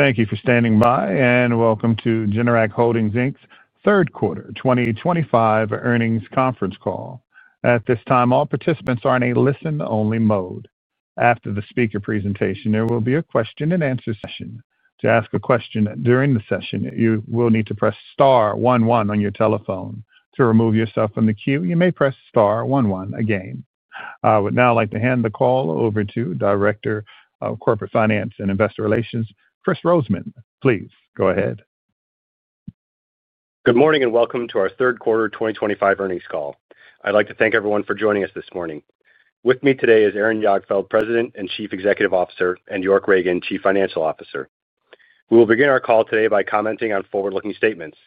Thank you for standing by and welcome to Generac Holdings Inc.'s Third Quarter 2025 Earnings Conference Call. At this time, all participants are in a listen-only mode. After the speaker presentation, there will be a question and answer session. To ask a question during the session, you will need to press *11 on your telephone. To remove yourself from the queue, you may press *11 again. I would now like to hand the call over to Director of Corporate Finance and Investor Relations, Chris Rosemann. Please go ahead. Good morning and welcome to our Third Quarter 2025 Earnings Call. I'd like to thank everyone for joining us this morning. With me today is Aaron Jagdfeld, President and Chief Executive Officer, and York Ragen, Chief Financial Officer. We will begin our call today by commenting on forward looking statements.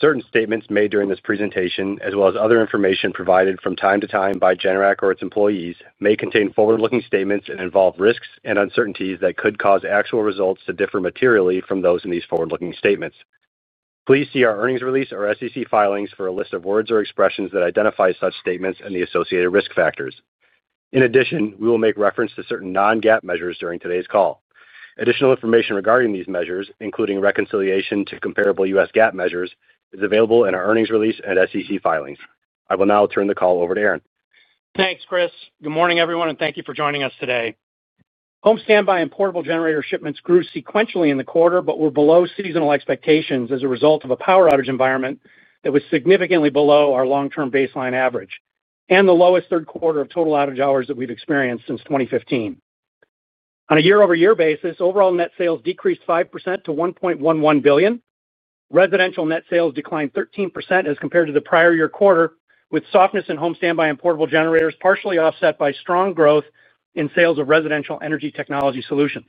Certain statements made during this presentation as well as other information provided from time to time by Generac or its employees may contain forward looking statements and involve risks and uncertainties that could cause actual results to differ materially from those in these forward looking statements. Please see our earnings release or SEC filings for a list of words or expressions that identify such statements and the associated risk factors. In addition, we will make reference to certain non-GAAP measures during today's call. Additional information regarding these measures, including reconciliation to comparable U.S. GAAP measures, is available in our earnings release and SEC filings. I will now turn the call over to Aaron. Thanks, Chris. Good morning, everyone, and thank you for joining us today. Home standby and portable generator shipments grew sequentially in the quarter, but were below seasonal expectations as a result of a power outage environment that was significantly below our long-term baseline average and the lowest third quarter of total outage hours that we've experienced since 2015. On a year-over-year basis, overall net sales decreased 5% to $1.11 billion. Residential net sales declined 13% as compared to the prior year quarter, with softness in home standby and portable generators partially offset by strong growth in sales of residential energy technology solutions.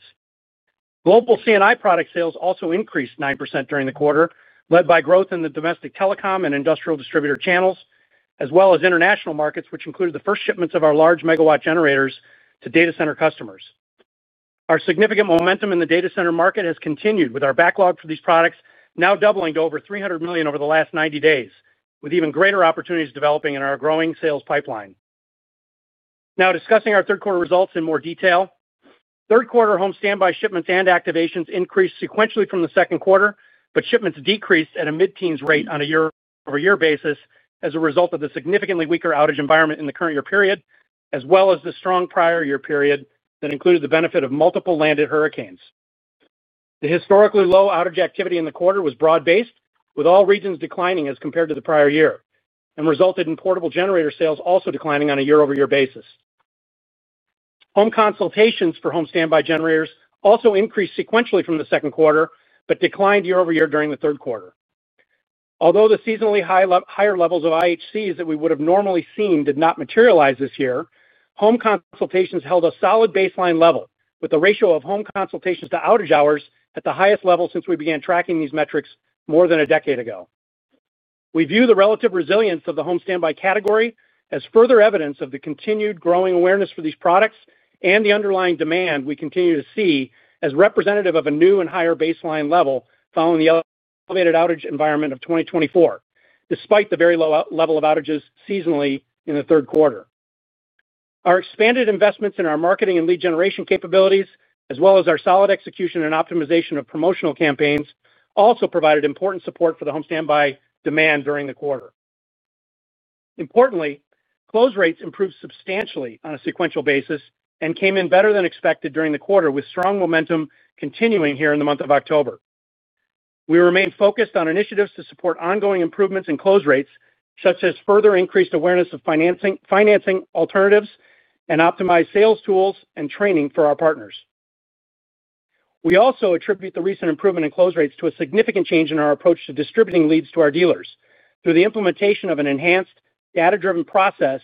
Global C&I product sales also increased 9% during the quarter, led by growth in the domestic telecom and industrial distributor channels as well as international markets, which included the first shipments of our large megawatt generators to data center customers. Our significant momentum in the data center market has continued, with our backlog for these products now doubling to over $300 million over the last 90 days, with even greater opportunities developing in our growing sales pipeline. Now discussing our third quarter results in more detail. Third quarter home standby shipments and activations increased sequentially from the second quarter, but shipments decreased at a mid-teens rate on a year-over-year basis as a result of the significantly weaker outage environment in the current year period as well as the strong prior year period that included the benefit of multiple landed hurricanes. The historically low outage activity in the quarter was broad-based, with all regions declining as compared to the prior year and resulted in portable generator sales also declining on a year-over-year basis. Home consultations for home standby generators also increased sequentially from the second quarter, but declined year-over-year during the third quarter. Although the seasonally higher levels of IHCs that we would have normally seen did not materialize this year, home consultations held a solid baseline level, with the ratio of home consultations to outage hours at the highest level since we began tracking these metrics more than a decade ago. We view the relative resilience of the home standby category as further evidence of the continued growing awareness for these products and the underlying demand we continue to see as representative of a new and higher baseline level following the elevated outage environment of 2024. Despite the very low level of outages seasonally in the third quarter, our expanded investments in our marketing and lead generation capabilities, as well as our solid execution and optimization of promotional campaigns, also provided important support for the home standby demand during the quarter. Importantly, close rates improved substantially on a sequential basis and came in better than expected during the quarter, with strong momentum continuing here in the month of October. We remain focused on initiatives to support ongoing improvements in close rates, such as further increased awareness of financing alternatives and optimized sales tools and training for our partners. We also attribute the recent improvement in close rates to a significant change in our approach to distributing leads to our dealers through the implementation of an enhanced data-driven process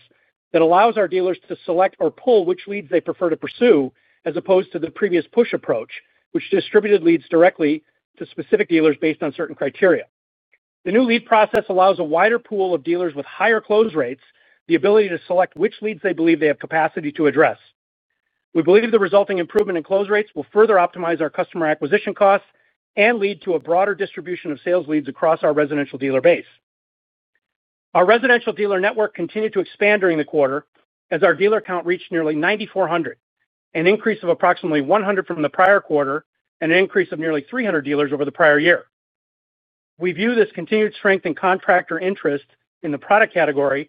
that allows our dealers to select or pull which leads they prefer to pursue, as opposed to the previous push approach which distributed leads directly to specific dealers based on certain criteria. The new lead process allows a wider pool of dealers with higher close rates the ability to select which leads they believe they have capacity to address. We believe the resulting improvement in close rates will further optimize our customer acquisition costs and lead to a broader distribution of sales leads across our residential dealer base. Our residential dealer network continued to expand during the quarter as our dealer count reached nearly 9,400, an increase of approximately 100 from the prior quarter and an increase of nearly 300 dealers over the prior year. We view this continued strength in contractor interest in the product category as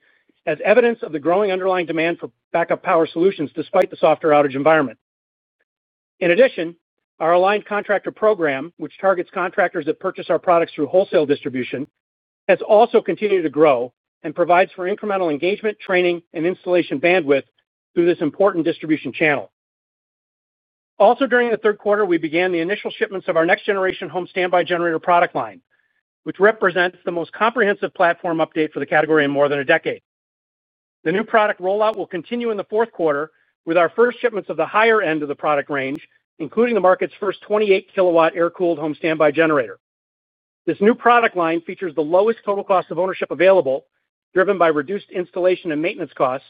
evidence of the growing underlying demand for backup power solutions despite the softer outage environment. In addition, our aligned contractor program, which targets contractors that purchase our products through wholesale distribution, has also continued to grow and provides for incremental engagement, training, and installation bandwidth through this important distribution channel. Also during the third quarter, we began the initial shipments of our next generation home standby generator product line, which represents the most comprehensive platform update for the category in more than a decade. The new product rollout will continue in the fourth quarter with our first shipments of the higher end of the product range, including the market's first 28 kilowatt air cooled home standby generator. This new product line features the lowest total cost of ownership available, driven by reduced installation and maintenance costs,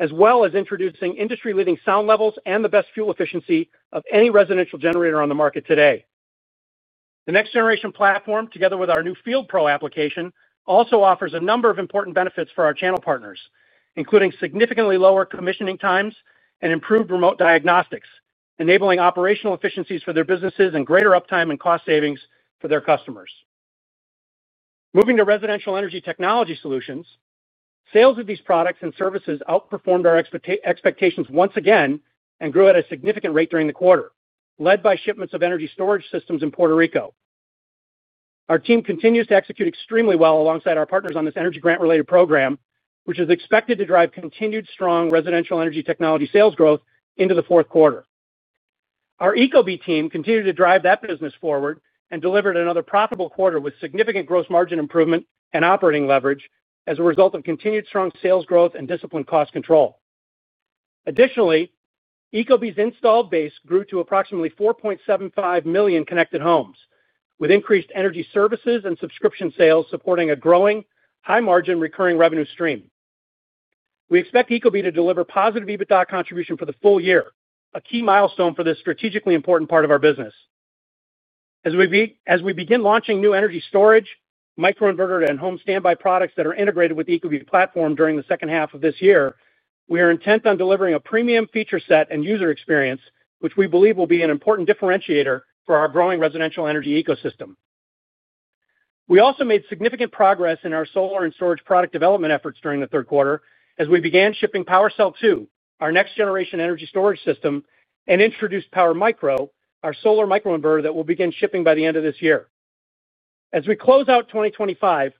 as well as introducing industry leading sound levels and the best fuel efficiency of any residential generator on the market today. The next generation platform, together with our new Field Pro application, also offers a number of important benefits for our channel partners, including significantly lower commissioning times and improved remote diagnostics, enabling operational efficiencies for their businesses and greater uptime and cost savings for their customers. Moving to residential energy technology solutions, sales of these products and services outperformed our expectations once again and grew at a significant rate during the quarter, led by shipments of energy storage systems in Puerto Rico. Our team continues to execute extremely well alongside our partners on this energy grant related program, which is expected to drive continued strong residential energy technology sales growth into the fourth quarter. Our ecobee team continued to drive that business forward and delivered another profitable quarter with significant gross margin improvement and operating leverage as a result of continued strong sales growth and disciplined cost control. Additionally, ecobee's installed base grew to approximately 4.75 million connected homes, with increased energy services and subscription sales supporting a growing high margin recurring revenue stream. We expect ecobee to deliver positive EBITDA contribution for the full year, a key milestone for this strategically important part of our business as we begin launching new energy storage, microinverter, and home standby products that are integrated with ECOV platform during the second half of this year. We are intent on delivering a premium feature set and user experience, which we believe will be an important differentiator for our growing residential energy ecosystem. We also made significant progress in our solar and storage product development efforts during the third quarter as we began shipping PowerCell 2, our next generation energy storage system, and introduced Power Micro, our solar microinverter that will begin shipping by the end of this year. As we close out 2025,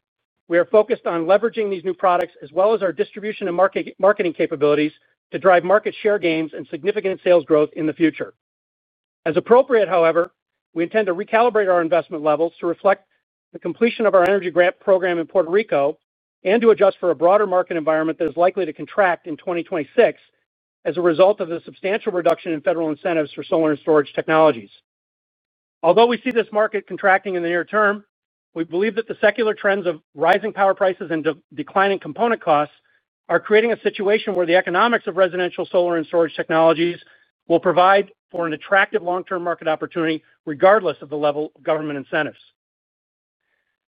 we are focused on leveraging these new products as well as our distribution and marketing capabilities to drive market share gains and significant sales growth in the future as appropriate. However, we intend to recalibrate our investment levels to reflect the completion of our energy grant program in Puerto Rico and to adjust for a broader market environment that is likely to contract in 2026 as a result of the substantial reduction in federal incentives for solar and storage technologies. Although we see this market contracting in the near term, we believe that the secular trends of rising power prices and declining component costs are creating a situation where the economics of residential solar and storage technologies will provide for an attractive long term market opportunity regardless of the level of government incentives.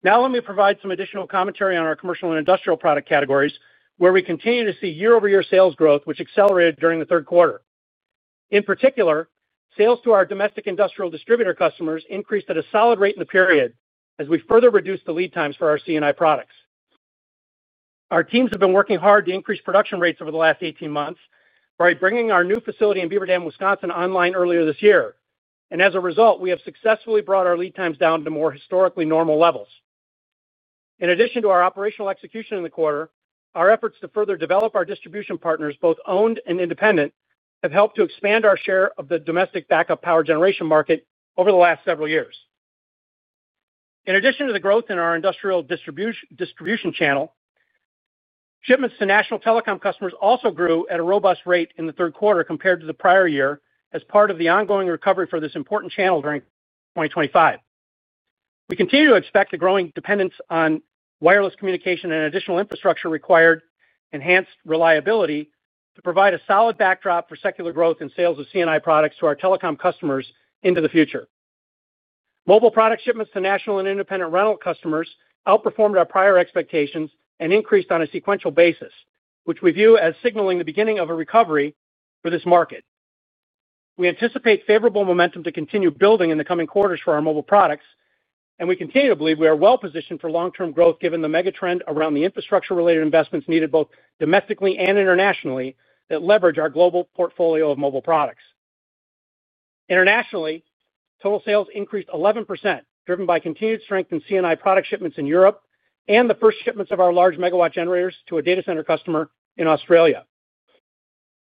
Now let me provide some additional commentary on our commercial and industrial product categories where we continue to see year-over-year sales growth, which accelerated during the third quarter. In particular, sales to our domestic industrial distributor customers increased at a solid rate in the period as we further reduced the lead times for our C&I products. Our teams have been working hard to increase production rates over the last 18 months by bringing our new facility in Beaver Dam, Wisconsin online earlier this year, and as a result, we have successfully brought our lead times down to more historically normal levels. In addition to our operational execution in the quarter, our efforts to further develop our distribution partners, both owned and independent, have helped to expand our share of the domestic backup power generation market over the last several years. In addition to the growth in our industrial distribution channel, shipments to national telecom customers also grew at a robust rate in the third quarter compared to the prior year. As part of the ongoing recovery for this important channel during 2025, we continue to expect a growing dependence on wireless communication and additional infrastructure required, enhanced reliability to provide a solid backdrop for secular growth in sales of C&I products to our telecom customers into the future. Mobile product shipments to national and independent rental customers outperformed our prior expectations and increased on a sequential basis, which we view as signaling the beginning of a recovery for this market. We anticipate favorable momentum to continue building in the coming quarters for our mobile products, and we continue to believe we are well positioned for long term growth given the megatrend around the infrastructure related investments needed both domestically and internationally that leverage our global portfolio of mobile products. Internationally, total sales increased 11% driven by continued strength in C&I product shipments in Europe and the first shipments of our large megawatt generators to a data center customer in Australia.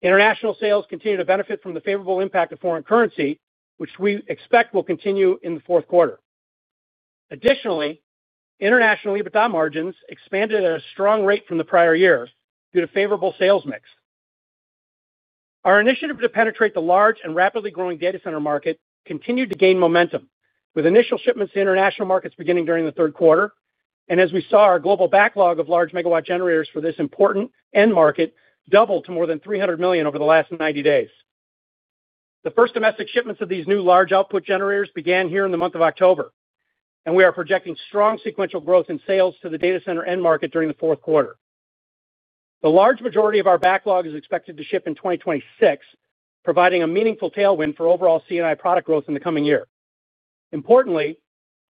International sales continue to benefit from the favorable impact of foreign currency, which we expect will continue in the fourth quarter. Additionally, international EBITDA margins expanded at a strong rate from the prior year due to favorable sales mix. Our initiative to penetrate the large and rapidly growing data center market continued to gain momentum with initial shipments to international markets beginning during the third quarter, and as we saw our global backlog of large megawatt generators for this important end market doubled to more than $300 million over the last 90 days. The first domestic shipments of these new large output generators began here in the month of October, and we are projecting strong sequential growth in sales to the data center end market during the fourth quarter. The large majority of our backlog is expected to ship in 2026, providing a meaningful tailwind for overall C&I product growth in the coming year. Importantly,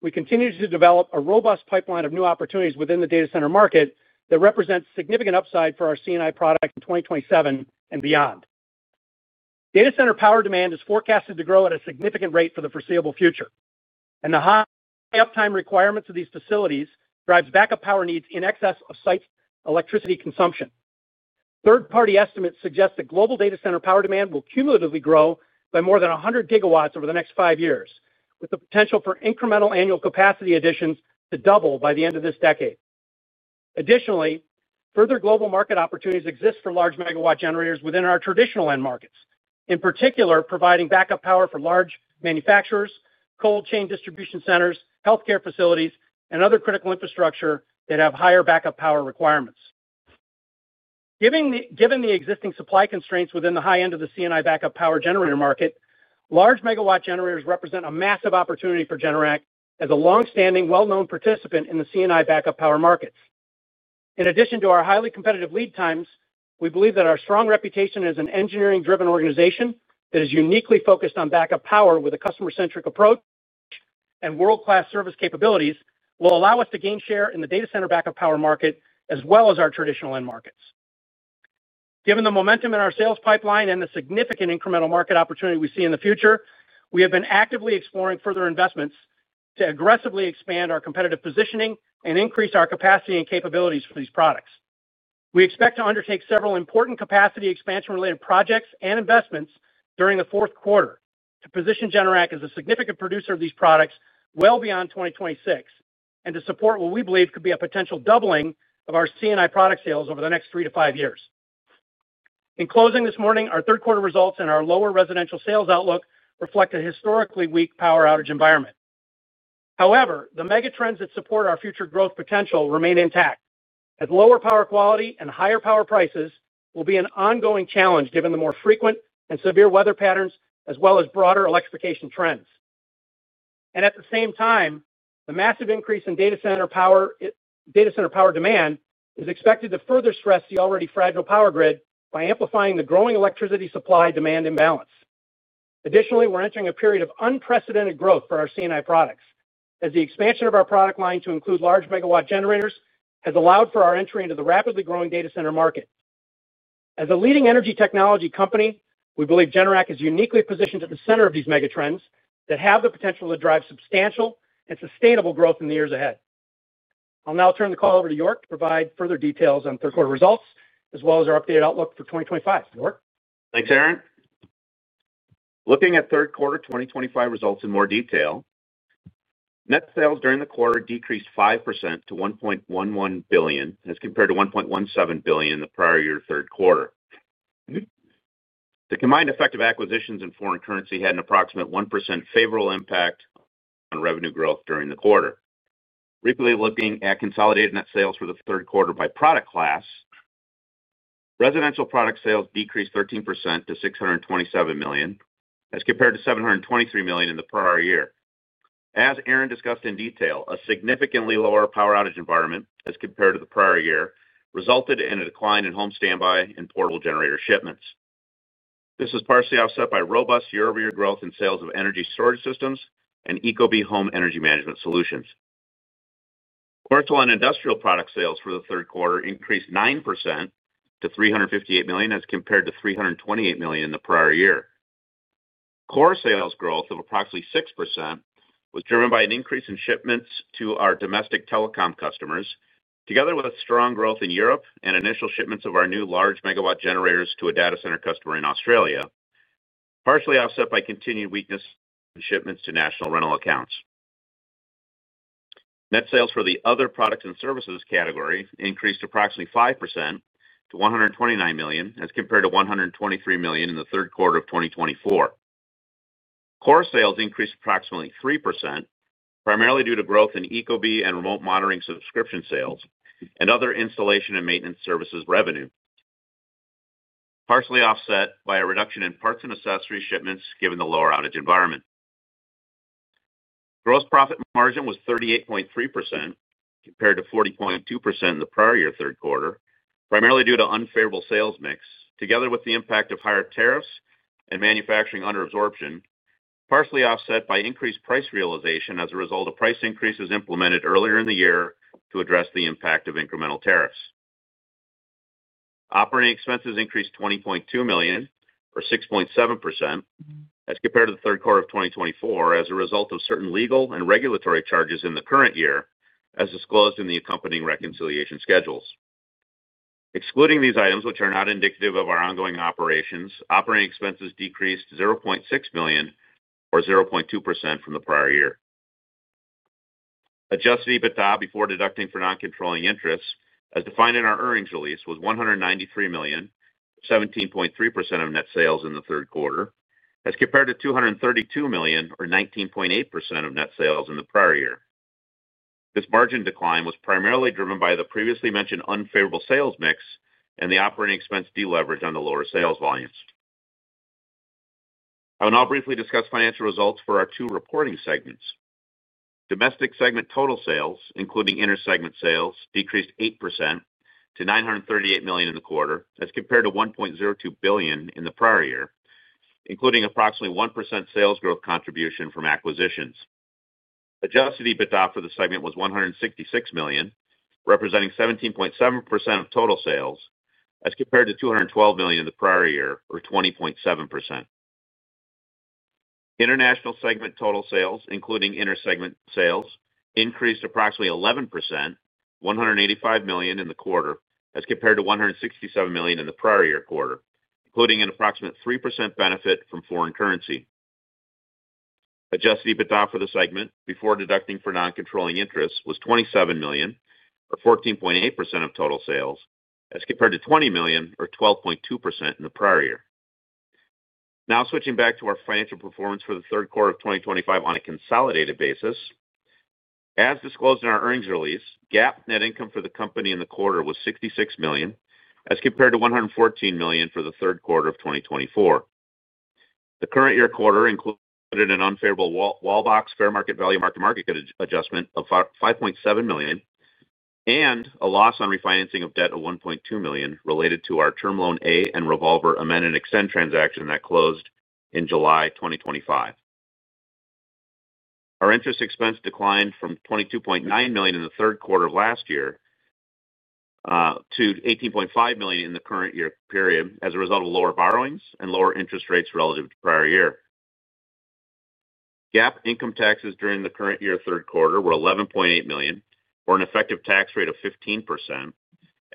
we continue to develop a robust pipeline of new opportunities within the data center market that represents significant upside for our C&I product in 2027 and beyond. Data center power demand is forecasted to grow at a significant rate for the foreseeable future, and the high uptime requirements of these facilities drives backup power needs in excess of site's electricity consumption. Third party estimates suggest that global data center power demand will cumulatively grow by more than 100 GW over the next five years, with the potential for incremental annual capacity additions to double by the end of this decade. Additionally, further global market opportunities exist for large megawatt generators within our traditional end markets, in particular providing backup power for large manufacturers, cold chain distribution centers, healthcare facilities, and other critical infrastructure that have higher backup power requirements. Given the existing supply constraints within the high end of the C&I backup power generator market, large megawatt generators represent a massive opportunity for Generac. As a long-standing, well-known participant in the C&I backup power markets, in addition to our highly competitive lead times, we believe that our strong reputation as an engineering-driven organization that is uniquely focused on backup power with a customer-centric approach and world-class service capabilities will allow us to gain share in the data center backup power market as well as our traditional end markets. Given the momentum in our sales pipeline and the significant incremental market opportunity we see in the future, we have been actively exploring further investments to aggressively expand our competitive positioning and increase our capacity and capabilities for these products. We expect to undertake several important capacity expansion related projects and investments during the fourth quarter to position Generac as a significant producer of these products well beyond 2026 and to support what we believe could be a potential doubling of our C&I product sales over the next three to five years. In closing this morning, our third quarter results and our lower residential sales outlook reflect a historically weak power outage environment. However, the megatrends that support our future growth potential remain intact as lower power quality and higher power prices will be an ongoing challenge given the more frequent and severe weather patterns as well as broader electrification trends. At the same time, the massive increase in data center power demand is expected to further stress the already fragile power grid by amplifying the growing electricity supply demand imbalance. Additionally, we're entering a period of unprecedented growth for our C&I products as the expansion of our product line to include large megawatt generators has allowed for our entry into the rapidly growing data center market. As a leading energy technology company, we believe Generac is uniquely positioned at the center of these megatrends that have the potential to drive substantial and sustainable growth in the years ahead. I'll now turn the call over to York Ragen to provide further details on third quarter results as well as our updated outlook for 2025. York? Thanks Aaron. Looking at third quarter 2025 results in more detail, net sales during the quarter decreased 5% to $1.11 billion as compared to $1.17 billion in the prior year. Third quarter, the combined effect of acquisitions and foreign currency had an approximate 1% favorable impact on revenue growth during the quarter. Looking at consolidated net sales for the third quarter by product class, residential product sales decreased 13% to $627 million as compared to $723 million in the prior year. As Aaron discussed in detail, a significantly lower power outage environment as compared to the prior year resulted in a decline in home standby and portable generator shipments. This is partially offset by robust year-over-year growth in sales of energy storage systems and ecobee home energy management solutions. Commercial and industrial product sales for the third quarter increased 9% to $358 million as compared to $328 million in the prior year. Core sales growth of approximately 6% was driven by an increase in shipments to our domestic telecom customers, together with strong growth in Europe and initial shipments of our new large megawatt generators to a data center customer in Australia, partially offset by continued weakness in shipments to national rental accounts. Net sales for the other products and services category increased approximately 5% to $129 million as compared to $123 million in the third quarter of 2024. Core sales increased approximately 3%, primarily due to growth in ecobee and remote monitoring, subscription sales, and other installation and maintenance services revenue, partially offset by a reduction in parts and accessories shipments. Given the lower outage environment, gross profit margin was 38.3% compared to 40.2% in the prior year third quarter, primarily due to unfavorable sales mix together with the impact of higher tariffs and manufacturing under absorption, partially offset by increased price realization as a result of price increases implemented earlier in the year. To address the impact of incremental tariffs, operating expenses increased $20.2 million, or 6.7%, as compared to the third quarter of 2024 as a result of certain legal and regulatory charges in the current year, as disclosed in the accompanying reconciliation schedules. Excluding these items, which are not indicative of our ongoing operations, operating expenses decreased $0.6 million or 0.2% from the prior year. Adjusted EBITDA before deducting for non-controlling interest as defined in our earnings release was $193 million, 17.3% of net sales in the third quarter, as compared to $232 million or 19.8% of net sales in the prior year. This margin decline was primarily driven by the previously mentioned unfavorable sales mix and the operating expense deleverage on the lower sales volumes. I will now briefly discuss financial results for our two reporting segments. Domestic segment total sales, including intersegment sales, decreased 8% to $938 million in the quarter as compared to $1.02 billion in the prior year, including approximately 1% sales growth contribution from acquisitions. Adjusted EBITDA for the segment was $166 million, representing 17.7% of total sales, as compared to $212 million in the prior year or 20.7%. International segment total sales, including intersegment sales, increased approximately 11% to $185 million in the quarter as compared to $167 million in the prior year quarter, including an approximate 3% benefit from foreign currency. Adjusted EBITDA for the segment before deducting for non-controlling interest was $27 million or 14.8% of total sales as compared to $20 million or 12.2% in the prior year. Now switching back to our financial performance for the third quarter of 2025 on a consolidated basis as disclosed in our earnings release, GAAP net income for the company in the quarter was $66 million as compared to $114 million for the third quarter of 2024. The current year quarter included an unfavorable Wallbox fair market value mark-to-market adjustment of $5.7 million and a loss on refinancing of debt of $1.2 million related to our Term Loan A and Revolver amend and extend transaction that closed in July 2025. Our interest expense declined from $22.9 million in the third quarter of last year to $18.5 million in the current year period as a result of lower borrowings and lower interest rates relative to prior year. GAAP income taxes during the current year third quarter were $11.8 million or an effective tax rate of 15%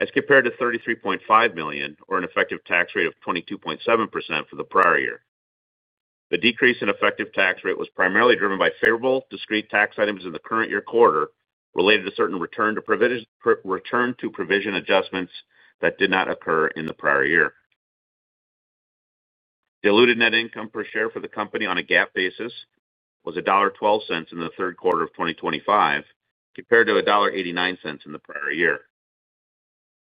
as compared to $33.5 million or an effective tax rate of 22.7% for the prior year. The decrease in effective tax rate was primarily driven by favorable discrete tax items in the current year quarter related to certain return to provision adjustments that did not occur in the prior year. Diluted net income per share for the company on a GAAP basis was $1.12 in the third quarter of 2025 compared to $1.89 in the prior year.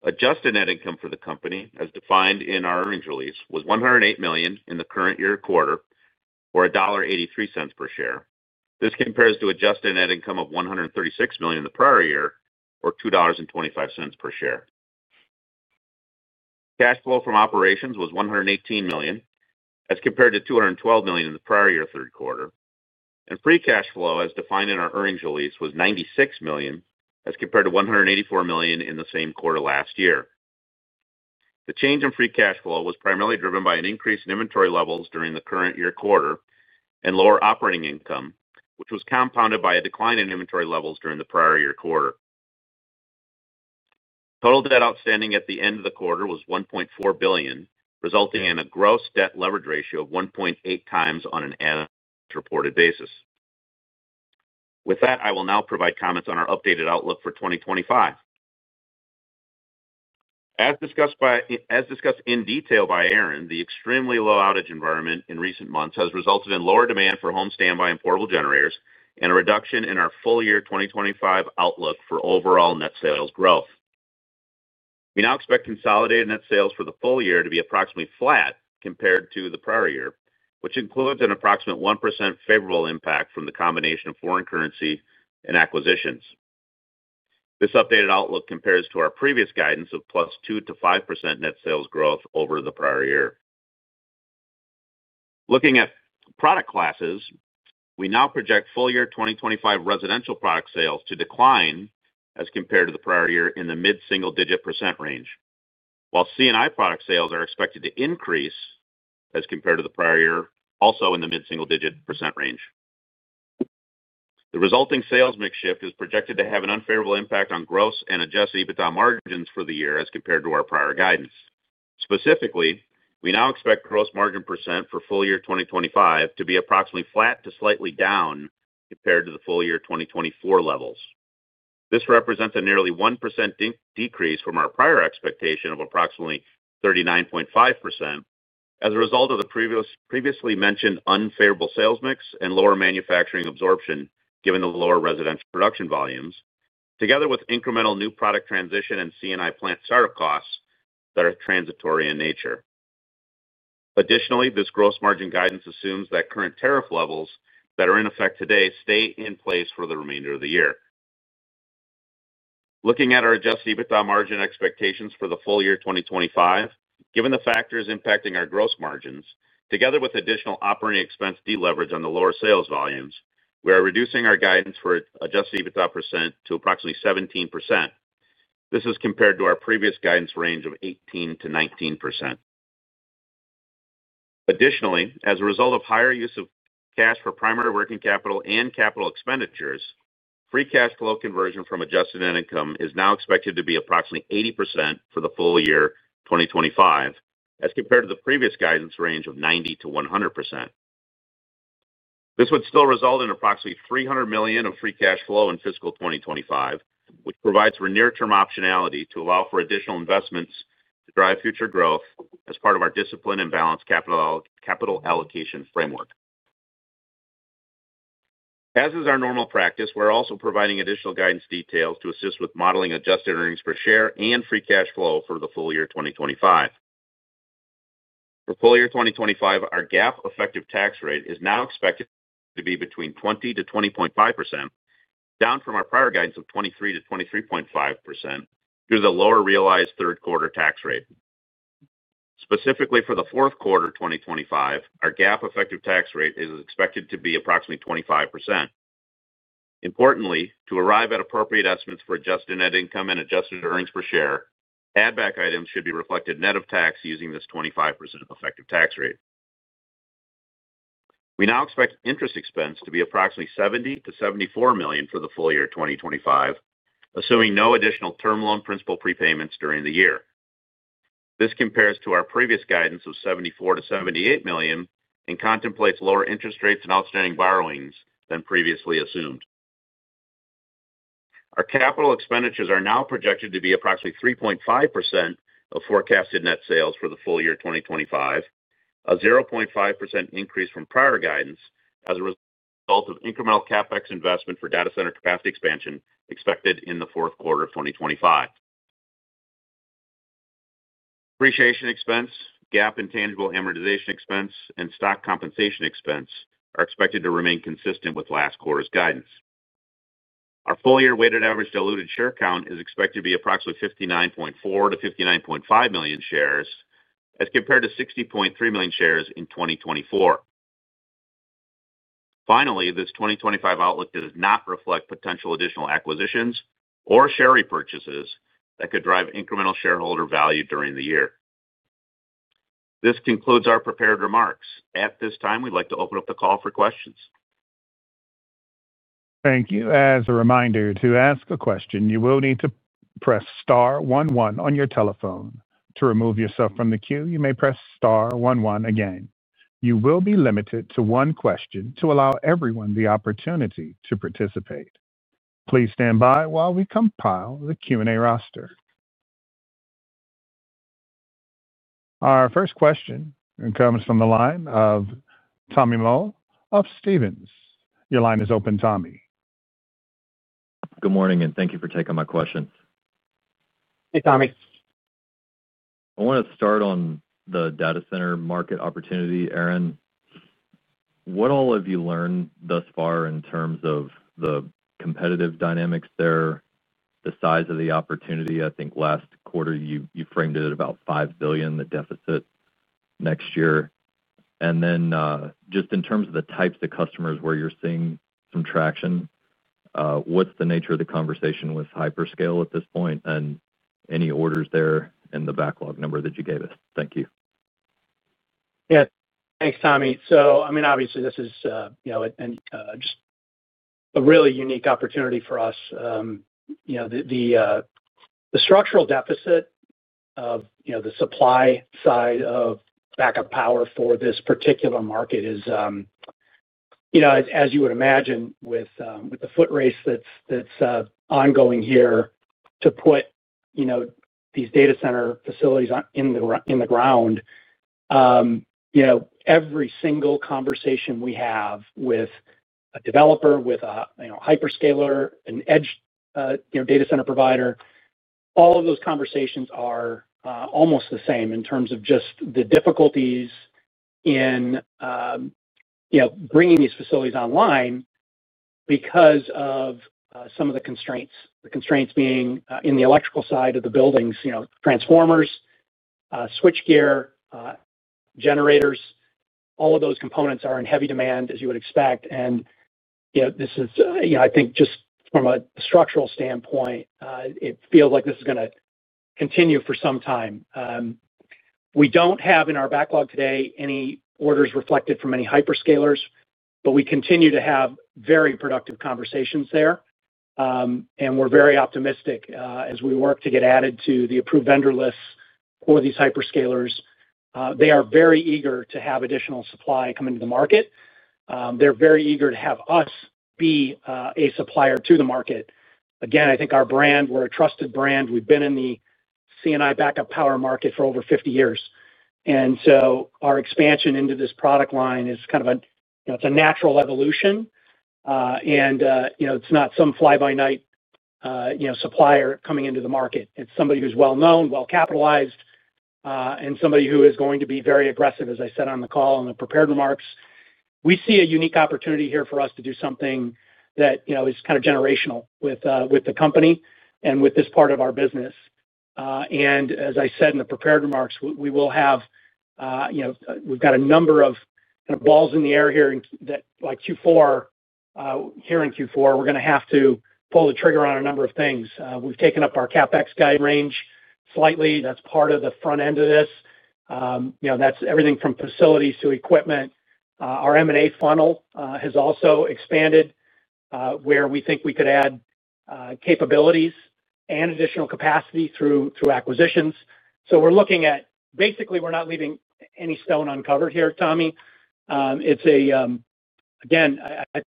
Adjusted net income for the company as defined in our earnings release was $108 million in the current year quarter or $1.83 per share. This compares to adjusted net income of $136 million in the prior year or $2.25 per share. Cash flow from operations was $118 million as compared to $212 million in the prior year third quarter, and free cash flow as defined in our earnings release was $96 million as compared to $184 million in the same quarter last year. The change in free cash flow was primarily driven by an increase in inventory levels during the current year quarter and lower operating income, which was compounded by a decline in inventory levels during the prior year quarter. Total debt outstanding at the end of the quarter was $1.4 billion, resulting in a gross debt leverage ratio of 1.8 times on an annualized reported basis. With that, I will now provide comments on our updated outlook for 2025. As discussed in detail by Aaron Jagdfeld, the extremely low outage environment in recent months has resulted in lower demand for home standby and portable generators and a reduction in our full year 2025 outlook for overall net sales growth. We now expect consolidated net sales for the full year to be approximately flat compared to the prior year, which includes an approximate 1% favorable impact from the combination of foreign currency and acquisitions. This updated outlook compares to our previous guidance of plus 2%-5% net sales growth over the prior year. Looking at product classes, we now project full year 2025 residential product sales to decline as compared to the prior year in the mid single-digit percent range, while C&I product sales are expected to increase as compared to the prior year, also in the mid single-digit percent range. The resulting sales mix shift is projected to have an unfavorable impact on gross and adjusted EBITDA margins for the year as compared to our prior guidance. Specifically, we now expect gross margin perecent for full year 2025 to be approximately flat to slightly down compared to the full year 2024 levels. This represents a nearly 1% decrease from our prior expectation of approximately 39.5% as a result of the previously mentioned unfavorable sales mix and lower manufacturing absorption given the lower residential production volumes together with incremental new product transition and C&I plant startup costs that are transitory in nature. Additionally, this gross margin guidance assumes that current tariff levels that are in effect today stay in place for the remainder of the year. Looking at our Adjusted EBITDA margin expectations for the full year 2025, given the factors impacting our gross margins together with additional operating expense deleverage on the lower sales volumes, we are reducing our guidance for Adjusted EBITDA percent to approximately 17%. This is compared to our previous guidance range of 18%-19%. Additionally, as a result of higher use of cash for primary working capital and capital expenditures, free cash flow conversion from adjusted net income is now expected to be approximately 80% for the full year 2025 as compared to the previous guidance range of 90%-100%. This would still result in approximately $300 million of free cash flow in fiscal 2025, which provides for near term optionality to allow for additional investments to drive future growth as part of our discipline and balanced capital allocation framework. As is our normal practice, we're also providing additional guidance details to assist with modeling adjusted earnings per share and free cash flow for the full year 2025. For full year 2025, our GAAP effective tax rate is now expected to be between 20%-20.5%, down from our prior guidance of 23%-23.5% due to the lower realized third quarter tax rate. Specifically, for the fourth quarter 2025, our GAAP effective tax rate is expected to be approximately 25%. Importantly, to arrive at appropriate estimates for adjusted net income and adjusted earnings per share, add back items should be reflected net of tax using this 25% effective tax rate. We now expect interest expense to be approximately $70 million-$74 million for the full year 2025, assuming no additional term loan principal prepayments during the year. This compares to our previous guidance of $74 million-$78 million and contemplates lower interest rates and outstanding borrowings than previously assumed. Our capital expenditures are now projected to be approximately 3.5% of forecasted net sales for the full year 2025, a 0.5% increase from prior guidance as a result of incremental CapEx investment for data center capacity expansion expected in the fourth quarter of 2025. Depreciation expense, GAAP intangible amortization expense, and stock compensation expense are expected to remain consistent with last quarter's guidance. Our full year weighted average diluted share count is expected to be approximately 59.4 million-59.5 million shares, as compared to 60.3 million shares in 2024. Finally, this 2025 outlook does not reflect potential additional acquisitions or share repurchases that could drive incremental shareholder value during the year. This concludes our prepared remarks. At this time, we'd like to open up the call for questions. Thank you. As a reminder, to ask a question you will need to press star 11 on your telephone to remove yourself from the queue. You may press star 11 again. You will be limited to one question to allow everyone the opportunity to participate. Please stand by while we compile the Q and A roster. Our first question comes from the line of Tommy Moll of Stephens. Your line is open, Tommy. Good morning, and thank you for taking my questions. Hey, Tommy. I want to start on the data center market opportunity. Aaron, what all have you learned thus far in terms of the competitive dynamics there, the size of the opportunity? I think last quarter you framed it at about $5 billion. The deficit next year, and then just in terms of the types of customers where you're seeing some traction, what's the nature of the conversation with hyperscale at this point and any orders there in the backlog number that you gave us? Thank you. Yeah, thanks, Tommy. This is just a really unique opportunity for us. The structural deficit of the supply side of backup power for this particular market is, as you would imagine with the foot race that's ongoing here to put these data center facilities in the ground. Every single conversation we have with a developer, with a hyperscaler, an EDGE data center provider, all of those conversations are almost the same in terms of just the difficulties in bringing these facilities online because of some of the constraints. The constraints being in the electrical side of the buildings, transformers, switch gear, generators, all of those components are in heavy demand, as you would expect. I think just from a structural standpoint, it feels like this is going to continue for some time. We don't have in our backlog today any orders reflected from any hyperscalers, but we continue to have very productive conversations there and we're very optimistic as we work to get added to the approved vendor lists for these hyperscalers. They are very eager to have additional supply coming to the market, they're very eager to have us be a supplier to the market again. I think our brand, we're a trusted brand. We've been in the C&I backup power market for over 50 years, so our expansion into this product line is kind of a natural evolution. It's not some fly by night supplier coming into the market. It's somebody who's well known, well capitalized, and somebody who is going to be very aggressive. As I said on the call in the prepared remarks, we see a unique opportunity here for us to do something that is kind of generational with the company and with this part of our business. As I said in the prepared remarks, we've got a number of balls in the air here. In Q4, we're going to have to pull the trigger on a number of things. We've taken up our CapEx guide range slightly. That's part of the front end of this. That's everything from facilities to equipment. Our M&A funnel has also expanded where we think we could add capabilities and additional capacity through acquisitions. We're looking at basically, we're not leaving any stone uncovered here, Tommy. It's a.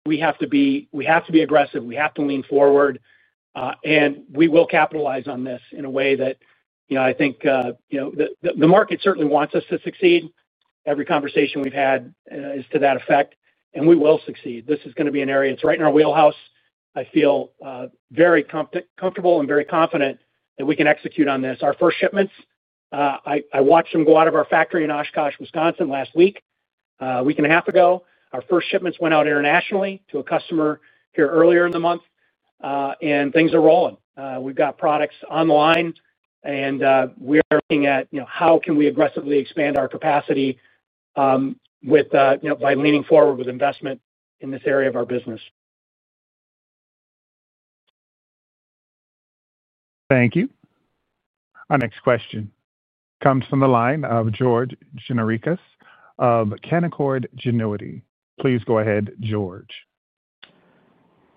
We have to be aggressive, we have to lean forward and we will capitalize on this in a way that, you know, the market certainly wants us to succeed. Every conversation we've had is to that effect and we will succeed. This is going to be an area, it's right in our wheelhouse. I feel very comfortable and very confident that we can execute on this. Our first shipments, I watched them go out of our factory in Oshkosh, Wisconsin last week, week and a half ago. Our first shipments went out internationally to a customer here earlier in the month and things are rolling. We've got products online and we're looking at how can we aggressively expand our capacity by leaning forward with investment in this area of our business. Thank you. Our next question comes from the line of George Gianarikas of Canaccord Genuity. Please go ahead, George.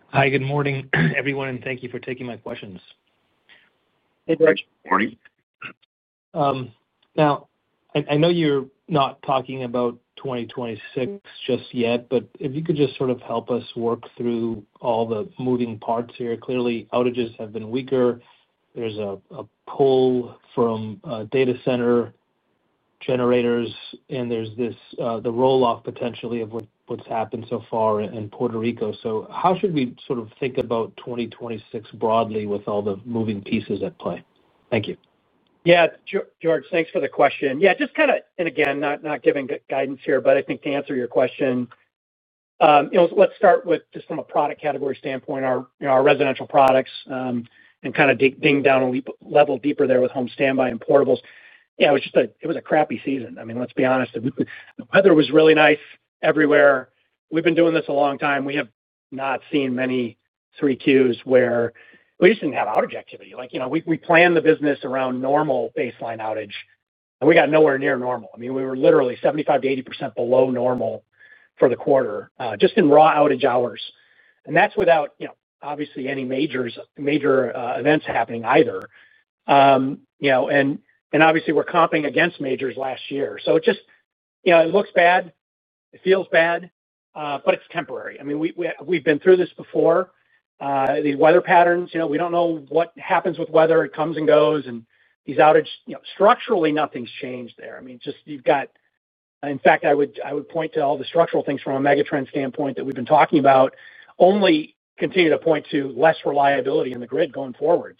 Hi, good morning, everyone, and thank you for taking my questions. Hey, George. Morning. Now, I know you're not talking about 2026 just yet, but if you could just sort of help us work through all the moving parts here. Clearly, outages have been weaker. There's a pull from data center generators and there's this, the roll off potentially of what's happened so far in Puerto Rico. How should we sort of think about 2026 broadly with all the moving pieces at play? Thank you. Yeah, George, thanks for the question. Not giving guidance here, but I think to answer your question, let's start with just from a product category standpoint. Our residential products and kind of digging down a little bit level deeper there with home standby and portable generators. It was just a, it was a crappy season. I mean, let's be honest, the weather was really nice everywhere. We've been doing this a long time. We have not seen many third quarters where we just didn't have outage activity. Like, you know, we planned the business around normal baseline outage and we got nowhere near normal. I mean, we were literally 75%-80% below normal for the quarter, just in raw outage hours. That's without, you know, obviously any major events happening either, you know, and obviously we're comping against majors last year. It just, you know, it looks bad, it feels bad, but it's temporary. I mean, we've been through this before. The weather patterns, you know, we don't know what happens with weather. It comes and goes. These outages, structurally nothing's changed there. In fact, I would point to all the structural things from a megatrend standpoint that we've been talking about, only continue to point to less reliability in the grid going forward.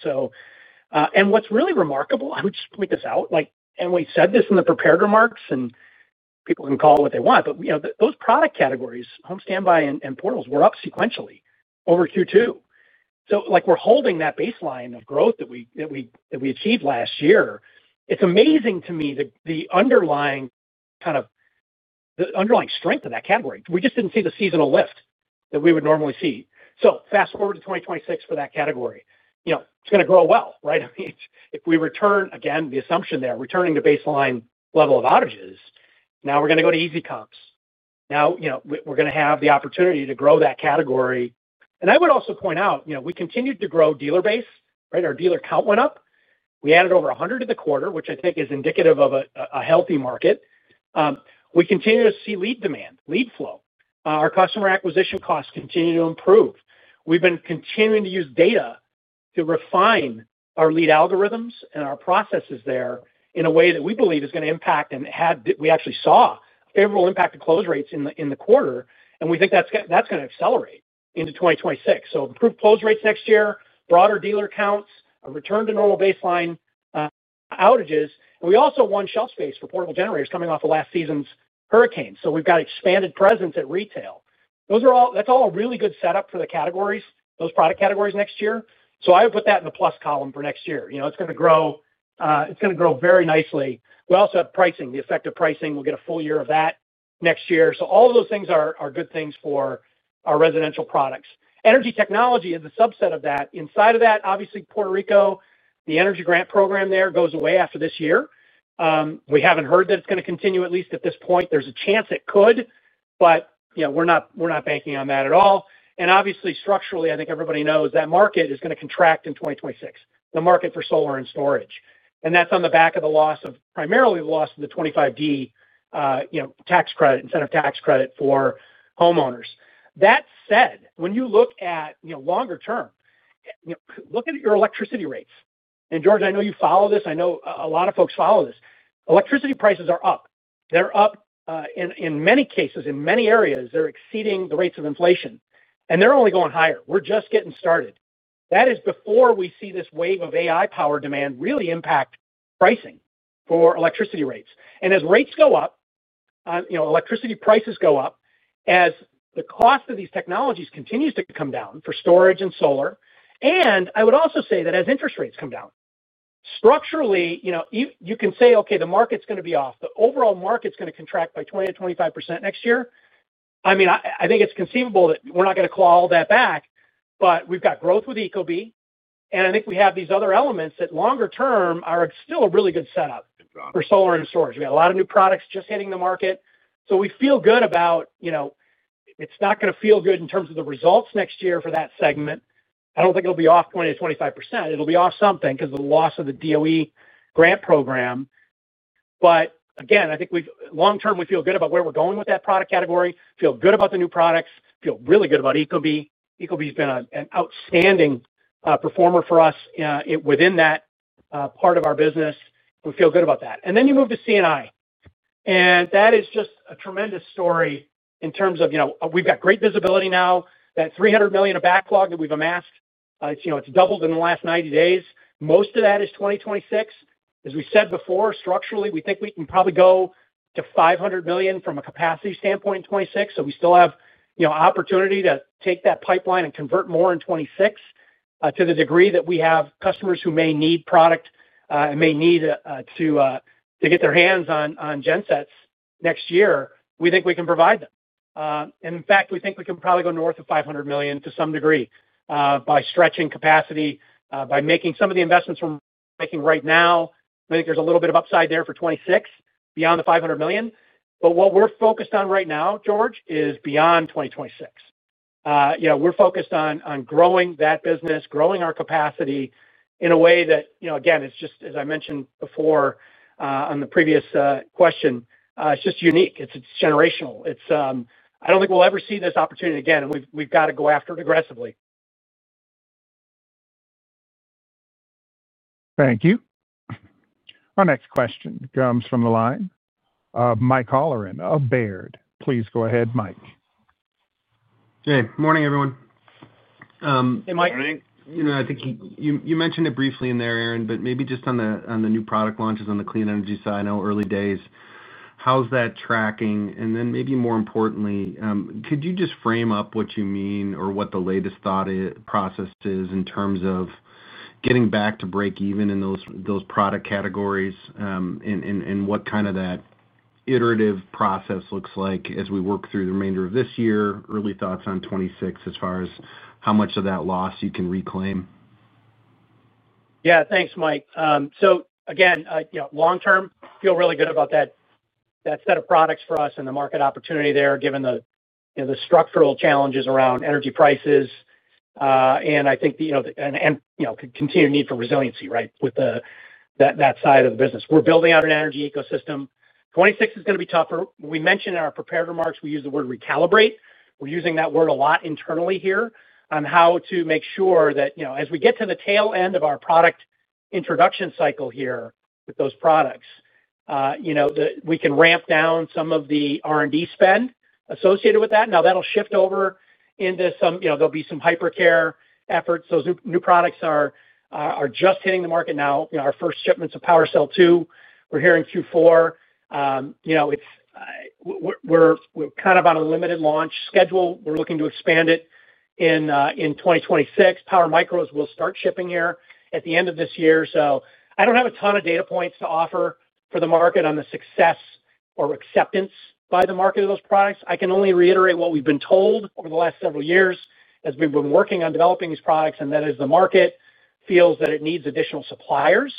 What's really remarkable, I would just point this out. We said this in the prepared remarks and people can call it what they want, but those product categories, home standby and portables, were up sequentially over Q2. We're holding that baseline of growth that we achieved last year. It's amazing to me, the underlying strength of that category, we just didn't see the seasonal lift that we would normally see. Fast forward to 2026 for that category. It's going to grow well, right. If we return, again, the assumption there returning to baseline level of outages, now we're going to go to easy comps now. We're going to have the opportunity to grow that category. I would also point out, we continued to grow dealer base. Our dealer count went up. We added over 100 in the quarter, which I think is indicative of a healthy market. We continue to see lead demand, lead flow. Our customer acquisition costs continue to improve. We've been continuing to use data to refine our lead algorithms and our processes there in a way that we believe is going to impact. We actually saw favorable impact to close rates in the quarter, and we think that's going to accelerate into 2026. Improved close rates next year, broader dealer counts, a return to normal baseline outages. We also won shelf space for portable generators coming off of last season's hurricane. We've got expanded presence at retail. Those are all a really good setup for the categories, those product categories next year. I would put that in the plus column for next year. You know, it's going to grow. It's going to grow very nicely. We also have pricing, the effective pricing. We'll get a full year of that next year. All of those things are good things for our residential products. Energy technology is a subset of that. Inside of that, obviously, Puerto Rico, the energy grant program there goes away after this year. We haven't heard that it's going to continue, at least at this point. There's a chance it could, but we're not banking on that at all. Structurally, I think everybody knows that market is going to contract in 2026, the market for solar and storage. That's on the back of the loss of primarily the loss of the 25D tax credit incentive tax credit for homeowners. That said, when you look at longer term, look at your electricity rates and George, I know you follow this. I know a lot of folks follow this. Electricity prices are up. They're up in many cases, in many areas. They're exceeding the rates of inflation and they're only going higher. We're just getting started. That is before we see this wave of AI power demand really impact pricing for electricity rates. As rates go up, electricity prices go up, as the cost of these technologies continues to come down for storage and solar. I would also say that as interest rates come down, structurally, you know, you can say, okay, the market's going to be off. The overall market's going to contract by 20%-25% next year. I mean, I think it's conceivable that we're not going to claw that back. We've got growth with ecobee and I think we have these other elements that longer term are still a really good setup for solar and storage. We got a lot of new products just hitting the market. We feel good about, you know, it's not going to feel good in terms of the results next year for that segment. I don't think it'll be off 20%-25%, it'll be off something because of the loss of the DOE grant program. I think long term, we feel good about where we're going with that product category, feel good about the new products, feel really good about ecobee. ecobee has been an outstanding performer for us within that part of our business, and we feel good about that. You move to C&I, and that is just a tremendous story in terms of, you know, we've got great visibility now. That $300 million of backlog that we've amassed, it's doubled in the last 90 days. Most of that is 2026. As we said before, structurally, we think we can probably go to $500 million from a capacity standpoint in 2026. We still have opportunity to take that pipeline and convert more in 2026. To the degree that we have customers who may need product and may need to get their hands on gensets next year, we think we can provide them. In fact, we think we can probably go north of $500 million to some degree by stretching capacity, by making some of the investments we're making right now. I think there's a little bit of upside there for 2026 beyond the $500 million. What we're focused on right now, George, is beyond 2026. We're focused on growing that business, growing our capacity in a way that, you know, again, it's just, as I mentioned before on the previous question, it's just unique, it's generational. I don't think we'll ever see this opportunity again, and we've got to go after it aggressively. Thank you. Our next question comes from the line of Mike Halloran of Baird. Please go ahead, Mike. Hey, morning, everyone. Hey, Mike. I think you mentioned it briefly. Aaron, maybe just on the new product launches on the clean energy side. I know, early days, how's that tracking? More importantly, could you just frame up what you mean or what the latest process is in terms of getting back to break even in those product categories and what kind of that iterative process looks like as we work through the remainder of this year. Early thoughts on 2026 as far as how much of that loss you can reclaim. Yeah. Thanks, Mike. Long term, feel really good about that set of products for us and the market opportunity there. Given the structural challenges around energy prices and the continued need for resiliency with that side of the business, we're building out an Energy Ecosystem. 2026 is going to be tougher. We mentioned in our prepared remarks we use the word recalibrate. We're using that word a lot internally here on how to make sure that as we get to the tail end of our product introduction cycle here with those products, we can ramp down some of the R&D spend associated with that. That'll shift over into some hypercare efforts. Those new products are just hitting the market now. Our first shipments of PowerCell 2 were here in Q4. We're kind of on a limited launch schedule. We're looking to expand it in 2026. Power Micros will start shipping here at the end of this year. I don't have a ton of data points to offer for the market on the success or acceptance by the market of those products. I can only reiterate what we've been told over the last several years as we've been working on developing these products and that is the market feels that it needs additional suppliers.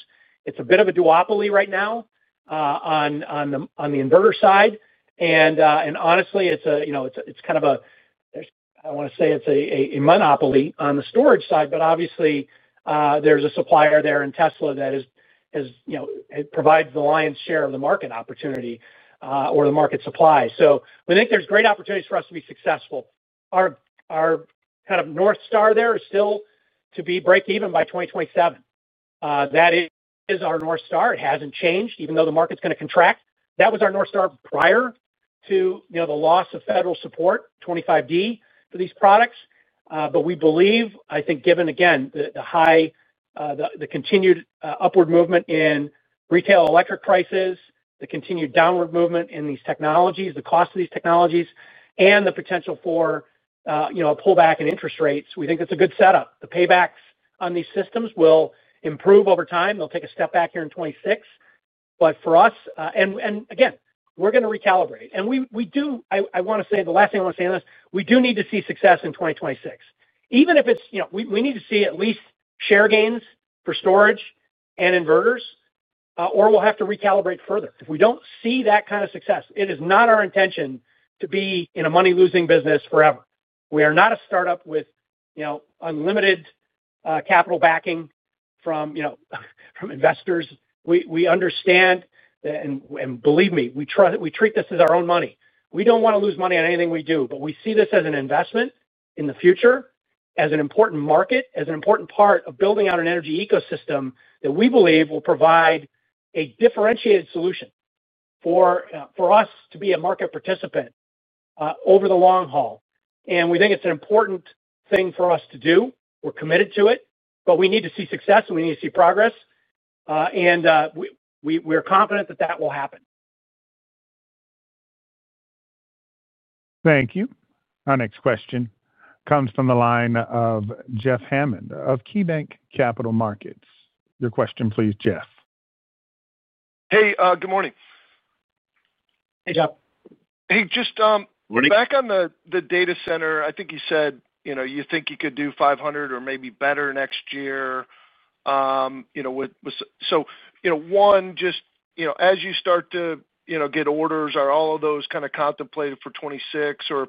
It's a bit of a duopoly right now on the inverter side and honestly it's kind of a, I want to say it's a monopoly on the storage side but obviously there's a supplier there in Tesla that provides the lion's share of the market opportunity or the market supply. We think there's great opportunities for us to be successful. Our kind of North Star there is still to be break even by 2027. That is our North Star. It hasn't changed. Even though the market's going to contract. That was our North Star prior to the loss of federal support 25D for these products. We believe, given again the high, the continued upward movement in retail electric prices, the continued downward movement in these technologies, the cost of these technologies and the potential for a pullback in interest rates. We think it's a good setup. The paybacks on these systems will improve over time. They'll take a step back here in 2026, but for us we're going to recalibrate and I want to say the last thing I want to say on this. We do need to see success in 2026, even if it's, you know, we need to see at least share gains for storage and inverters or we'll have to recalibrate further if we don't see that kind of success. It is not our intention to be in a money-losing business forever. We are not a startup with unlimited capital backing from investors. We understand and believe me, we treat this as our own money. We don't want to lose money on anything we do. We see this as an investment in the future, as an important market, as an important part of building out an energy ecosystem that we believe will provide a differentiated solution for us to be a market participant over the long haul. We think it's an important thing for us to do. We're committed to it. We need to see success and we need to see progress and we're confident that that will happen. Thank you. Our next question comes from the line of Jeff Hammond of KeyBanc Capital Markets. Your question, please, Jeff. Hey, good morning. Hey, Jeff. Hey. Just back on the data center, I think you said you think you could do $500 million or maybe better next year. As you start to get orders, are all of those contemplated for 2026, or are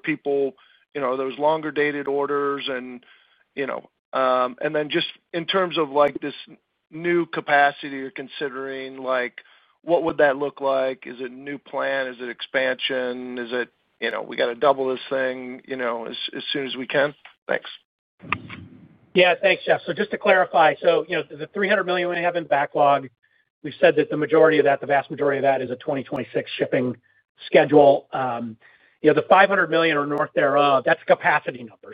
those longer dated orders? In terms of this new capacity you're considering, what would that look like? Is it a new plant, is it expansion, or do we have to double this thing as soon as we can? Thanks. Yeah, thanks, Jeff. Just to clarify, the $300 million we have in backlog, we've said that the majority of that, the vast majority of that, is a 2026 shipping schedule. The $500 million or north thereof, that's a capacity number.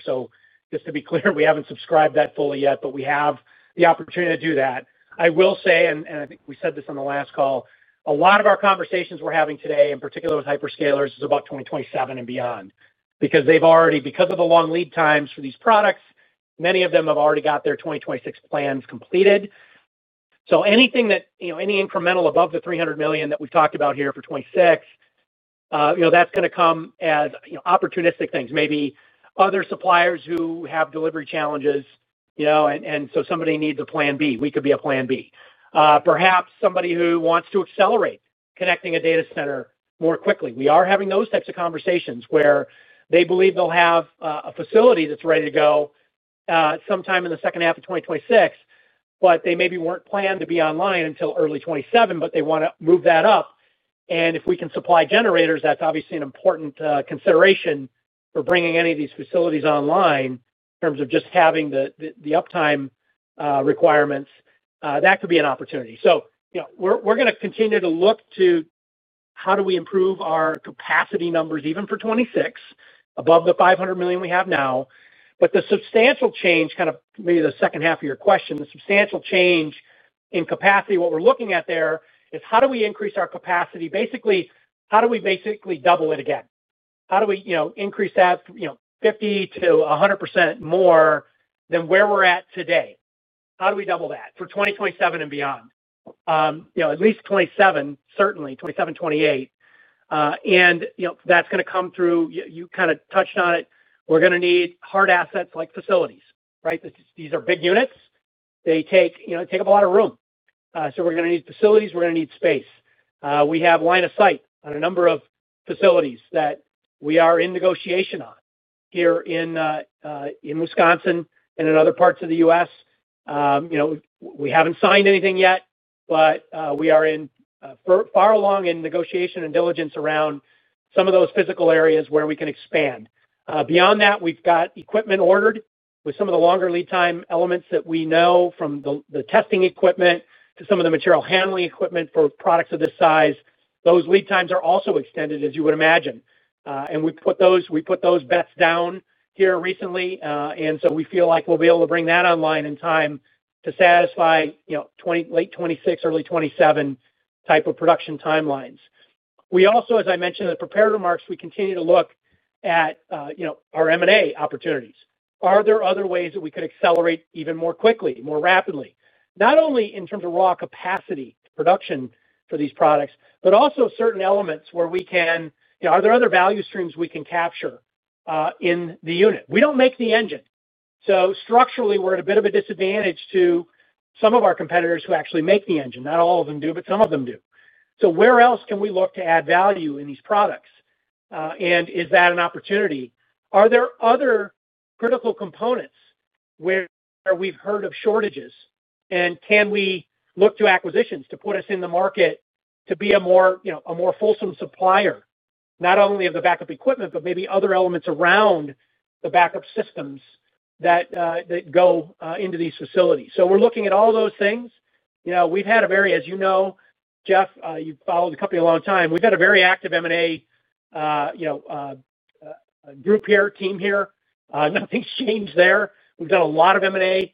Just to be clear, we haven't subscribed that fully yet, but we have the opportunity to do that. I will say, and I think we said this on the last call, a lot of our conversations we're having today in particular with Hyperscalers is about 2027 and beyond because they've already, because of the long lead times for these products, many of them have already got their 2026 plans completed. Anything incremental above the $300 million that we've talked about here for 2026, that's going to come as opportunistic things. Maybe other suppliers who have delivery challenges, and so somebody needs a plan B, we could be a plan B. Perhaps somebody who wants to accelerate connecting a data center more quickly. We are having those types of conversations where they believe they'll have a facility that's ready to go sometime in the second half of 2026, but they maybe weren't planned to be online until early 2027, but they want to move that up. If we can supply generators, that's obviously an important consideration for bringing any of these facilities online. In terms of just having the uptime requirements, that could be an opportunity. We're going to continue to look to how do we improve our capacity numbers even for 2026 above the $500 million we have now. The substantial change, maybe the second half of your question, the substantial change in capacity, what we're looking at there is how do we increase our capacity basically. How do we basically double it again? How do we increase that, 50%-100% more than where we're at today? How do we double that for 2027 and beyond? At least 2027, certainly 2027, 2028. That's going to come through. You kind of touched on it. We're going to need hard assets like facilities. These are big units. They take up a lot of room. We're going to need facilities, we're going to need space. We have line of sight on a number of facilities that we are in negotiation on here in Wisconsin and in other parts of the U.S. You know, we haven't signed anything yet, but we are far along in negotiation and diligence around some of those physical areas where we can expand beyond that. We've got equipment ordered with some of the longer lead time elements that we know, from the testing equipment to some of the material handling equipment for products of this size. Those lead times are also extended, as you would imagine. We put those bets down here recently. We feel like we'll be able to bring that online in time to satisfy late 2026, early 2027 type of production timelines. As I mentioned in the prepared remarks, we continue to look at our M&A opportunities. Are there other ways that we could accelerate even more quickly, more rapidly, not only in terms of raw capacity production for these products, but also certain elements where we can? Are there other value streams we can capture in the unit? We don't make the engine, so structurally we're at a bit of a disadvantage to some of our competitors who actually make the engine. Not all of them do, but some of them do. Where else can we look to add value in these products? Is that an opportunity? Are there other critical components where we've heard of shortages, and can we look to acquisitions to put us in the market to be a more fulsome supplier, not only of the backup equipment, but maybe other elements around the backup systems that go into these facilities? We're looking at all those things. We've had a very, as you know, Jeff, you followed the company a long time, we've had a very active M&A group here, team here. Nothing's changed there. We've done a lot of M&A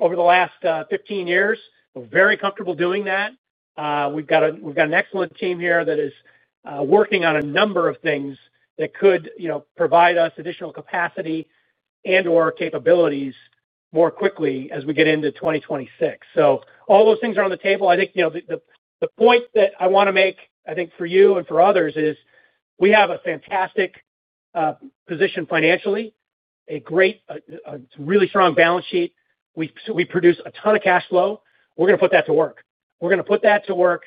over the last 15 years. We're very comfortable doing that. We've got an excellent team here that is working on a number of things that could provide us additional capacity and or capabilities more quickly as we get into 2026. All those things are on the table. I think the point that I want to make, I think for you and for others, is we have a fantastic position financially. A great, really strong balance sheet. We produce a ton of cash flow. We're going to put that to work. We're going to put that to work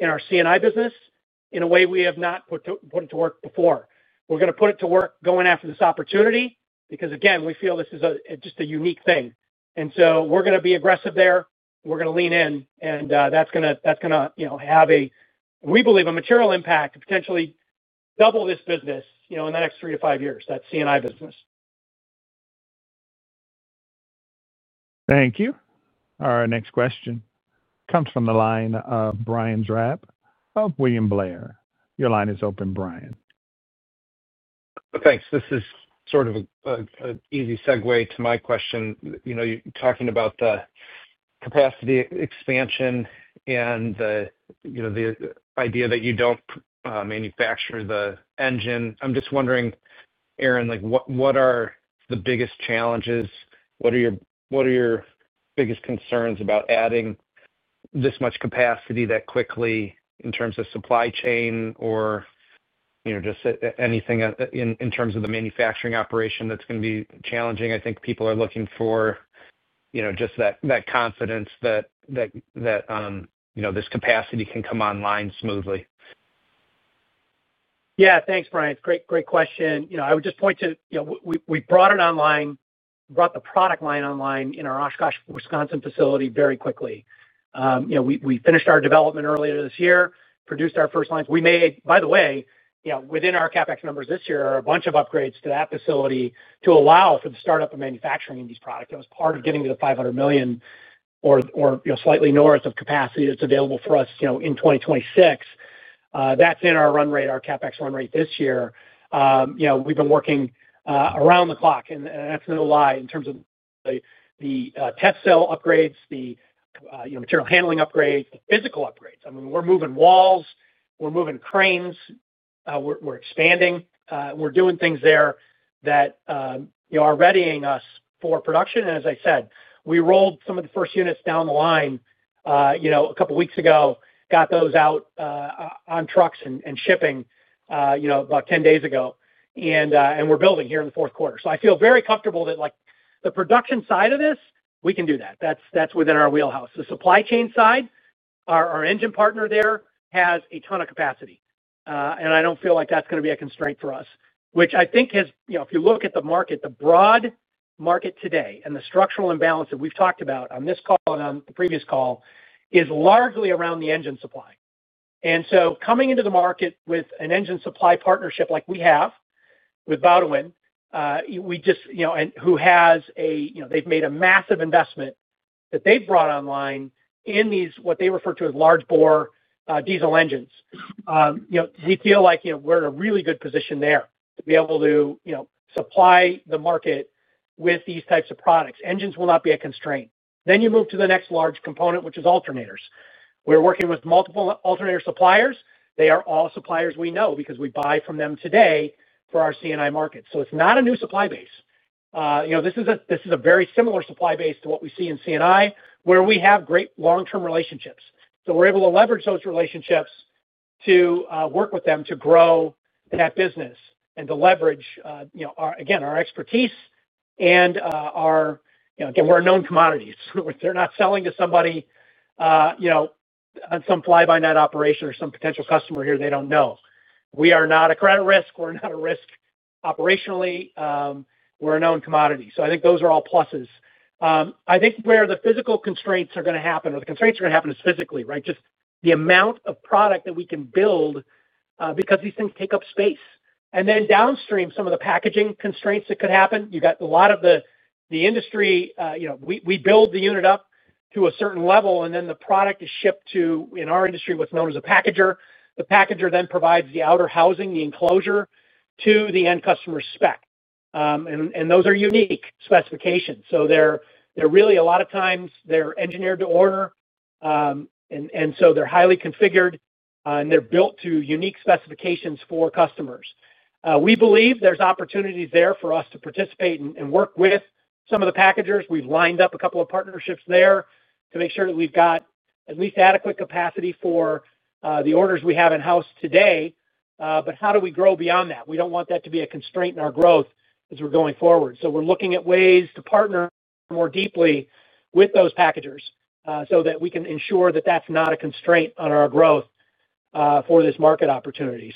in our C&I business in a way we have not put it to work before. We're going to put it to work going after this opportunity because again, we feel this is just a unique thing. We're going to be aggressive there. We're going to lean in and that's going to have a, we believe, a material impact to potentially double this business in the next three to five years, that C&I business. Thank you. Our next question comes from the line of Brian Drab of William Blair. Your line is open, Brian. Thanks. This is sort of an easy segue to my question. You're talking about the capacity expansion and the idea that you don't manufacture the engine. I'm just wondering, Aaron, what are the biggest challenges? What are your biggest concerns about adding this much capacity that quickly in terms of supply chain or just anything in terms of the manufacturing operation. That's going to be challenging. I think people are looking for just that confidence, you know. This capacity can come online smoothly. Yeah, thanks, Brian. It's a great question. I would just point to, you know, we brought it online, brought the product line online in our Oshkosh, Wisconsin facility very quickly. We finished our development earlier this year, produced our first lines. By the way, within our CapEx numbers this year are a bunch of upgrades to that facility to allow for the startup of manufacturing in these products. It was part of getting to the $500 million or, you know, slightly north of capacity that's available for us in 2026. That's in our run rate, our CapEx run rate this year. We've been working around the clock and that's no lie in terms of the test cell upgrades, the material handling upgrades, the physical upgrades. I mean we're moving walls, we're moving cranes, we're expanding, we're doing things there that are readying us for production. As I said, we rolled some of the first units down the line a couple weeks ago, got those out on trucks and shipping about 10 days ago, and we're building here in the fourth quarter. I feel very comfortable that the production side of this, we can do that. That's within our wheelhouse, the supply chain side. Our engine partner there has a ton of capacity and I don't feel like that's going to be a constraint for us, which I think has, you know, if you look at the market, the broad market today and the structural imbalance that we've talked about on this call and on the previous call is largely around the engine supply. Coming into the market with an engine supply partnership like we have with Baudouin, who has made a massive investment that they've brought online in these, what they refer to as large bore diesel engines, we feel like we're in a really good position there to be able to supply the market with these types of products. Engines will not be a constraint. You move to the next large component, which is alternators. We're working with multiple alternator suppliers. They are all suppliers we know because we buy from them today for our C&I market. It's not a new supply base. This is a very similar supply base to what we see in C&I where we have great long-term relationships. We're able to leverage those relationships to work with them to grow that business and to leverage again our expertise and are, you know, we're a known commodity. They're not selling to somebody, you know, on some fly by night operation or some potential customer here. They don't know. We are not a credit risk, we're not a risk operationally, we're a known commodity. I think those are all pluses. I think where the physical constraints are going to happen or the constraints are going to happen is physically, right, just the amount of product that we can build because these things take up space and then downstream some of the packaging constraints that could happen. You got a lot of the industry, you know, we build the unit up to a certain level and then the product is shipped to, in our industry, what's known as a packager. The packager then provides the outer housing, the enclosure to the end customer spec. Those are unique specifications. They're really, a lot of times they're engineered to order and so they're highly configured and they're built to unique specifications for customers. We believe there's opportunities there for us to participate and work with some of the packagers. We've lined up a couple of partnerships there to make sure that we've got at least adequate capacity for the orders we have in house today. How do we grow beyond that? We don't want that to be a constraint in our growth as we're going forward. We're looking at ways to partner more deeply with those packagers so that we can ensure that that's not a constraint on our growth for this market opportunity.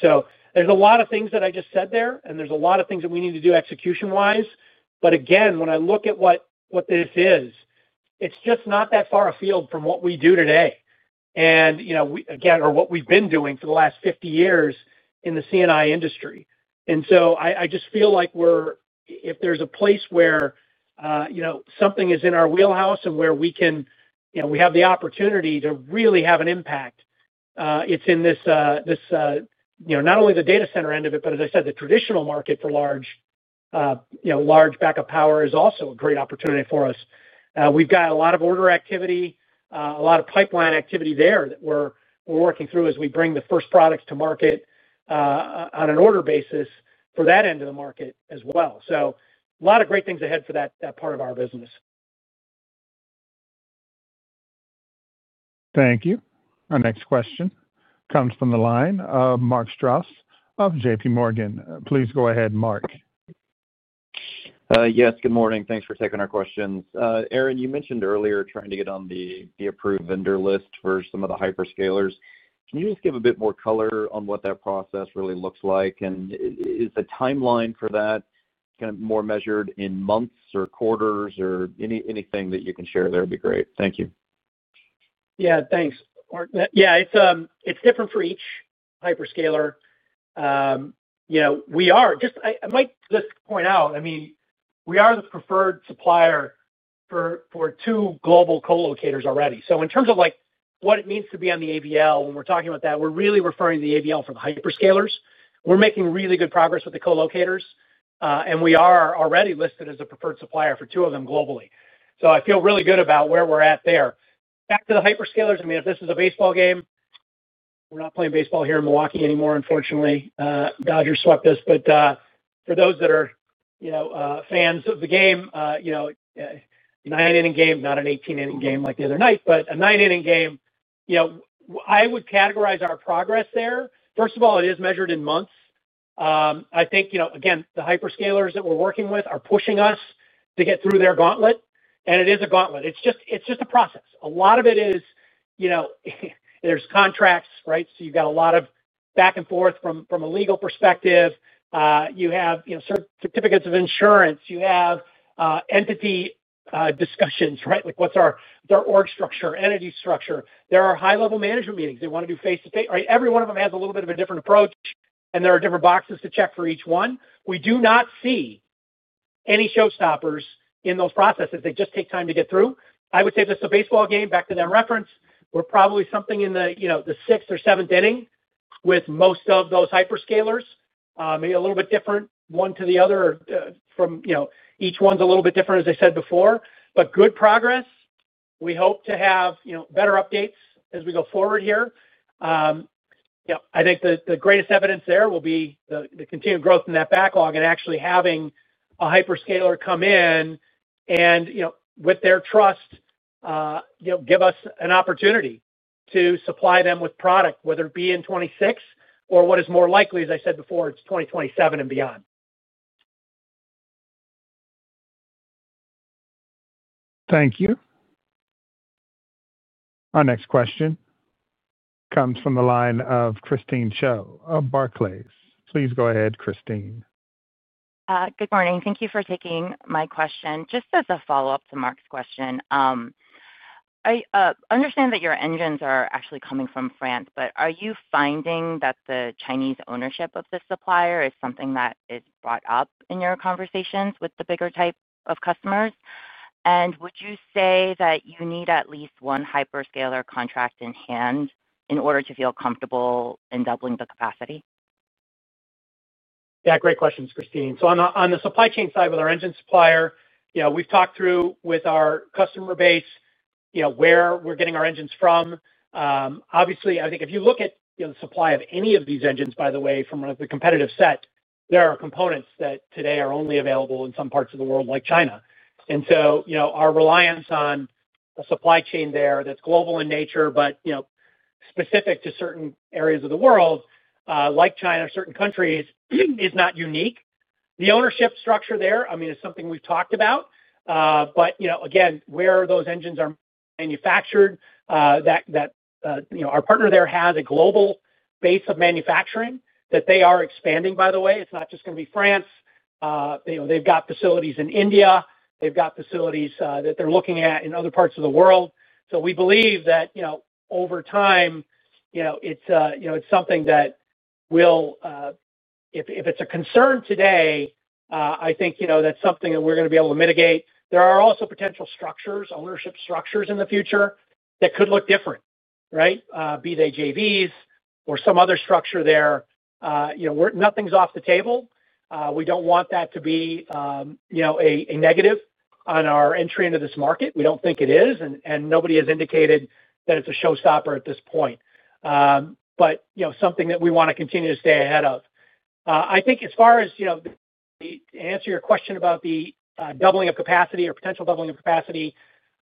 There's a lot of things that I just said there and there's a lot of things that we need to do execution wise. Again, when I look at what this is, it's just not that far afield from what we do today. You know, again, or what we've been doing for the last 50 years in the C&I industry. I just feel like we're, if there's a place where, you know, something is in our wheelhouse and where we can, you know, we have the opportunity to really have an impact, it's in this, you know, not only the data center end of it, but as I said, the traditional market for large, you know, large backup power is also a great opportunity for us. We've got a lot of order activity, a lot of pipeline activity there that we're working through as we bring the first products to market on an order basis for that end of the market as well. A lot of great things ahead for that part of our business. Thank you. Our next question comes from the line of Mark Strouse of JPMorgan. Please go ahead, Mark. Yes, good morning. Thanks for taking our questions. Aaron, you mentioned earlier trying to get on the approved vendor list for some of the hyperscalers. Can you just give a bit more color on what that process really looks like? Is the timeline for that kind of more measured in months or quarters? Anything that you can share there would be great. Thank you. Yeah, thanks. It's different for each hyperscaler. We are just, I might just point out, we are the preferred supplier for two global colocators already. In terms of what it means to be on the AVL when we're talking about that, we're really referring to the AVL for the hyperscalers. We're making really good progress with the colocators and we are already listed as a preferred supplier for two of them globally. I feel really good about where we're at there. Back to the hyperscalers. If this is a baseball game, we're not playing baseball here in Milwaukee anymore, unfortunately, Dodgers swept us. For those that are fans of the game, nine inning game, not an 18 inning game like the other night, but a nine inning game. I would categorize our progress there. First of all, it is measured in months, I think. The hyperscalers that we're working with are pushing us to get through their gauntlet. It is a gauntlet. It's just a process. A lot of it is, there's contracts, right? You've got a lot of back and forth from a legal perspective. You have certificates of insurance, you have entity discussions, like what's our org structure, entity structure. There are high level management meetings. They want to do face to face. Every one of them has a little bit of a different approach and there are different boxes to check for each one. We do not see any showstoppers in those processes. They just take time to get through. I would say this is a baseball game. We're probably something in the sixth or seventh inning with most of those hyperscalers. Maybe a little bit different, maybe one to the other from, each one's a little bit different, as I said before, but good progress. We hope to have better updates as we go forward here. I think the greatest evidence there will be the continued growth in that backlog and actually having a hyperscaler come in and, with their trust, give us an opportunity to supply them with product, whether it be in 2026 or what is more likely, as I said before, it's 2027 and beyond. Thank you. Our next question comes from the line of Christine Cho, Barclays. Please go ahead Christine. Good morning. Thank you for taking my question. Just as a follow up to Mark's question, I understand that your engines are actually coming from France, but are you finding that the Chinese ownership of the supplier is something that is brought up in your conversations with the bigger type of customers. Would you say that you need at least one hyperscaler contract in hand in order to feel comfortable in doubling the capacity? Yeah. Great questions, Christine. On the supply chain side with our engine supplier, we've talked through with our customer base where we're getting our engines from. Obviously, I think if you look at the supply of any of these engines, by the way, from the competitive set, there are components that today are only available in some parts of the world, like China. Our reliance on a supply chain there that's global in nature, but specific to certain areas of the world like China or certain countries, is not unique. The ownership structure there is something we've talked about. Again, where those engines are manufactured, our partner there has a global base of manufacturing that they are expanding. By the way, it's not just going to be France. They've got facilities in India, they've got facilities that they're looking at in other parts of the world. We believe that over time, if it's a concern today, that's something that we're going to be able to mitigate. There are also potential structures, ownership structures in the future that could look different. Right. Be they JVs or some other structure there, nothing's off the table. We don't want that to be a negative on our entry into this market. We don't think it is. Nobody has indicated that it's a showstopper at this point. It's something that we want to continue to stay ahead of. I think as far as, to answer your question about the doubling of capacity or potential doubling of capacity,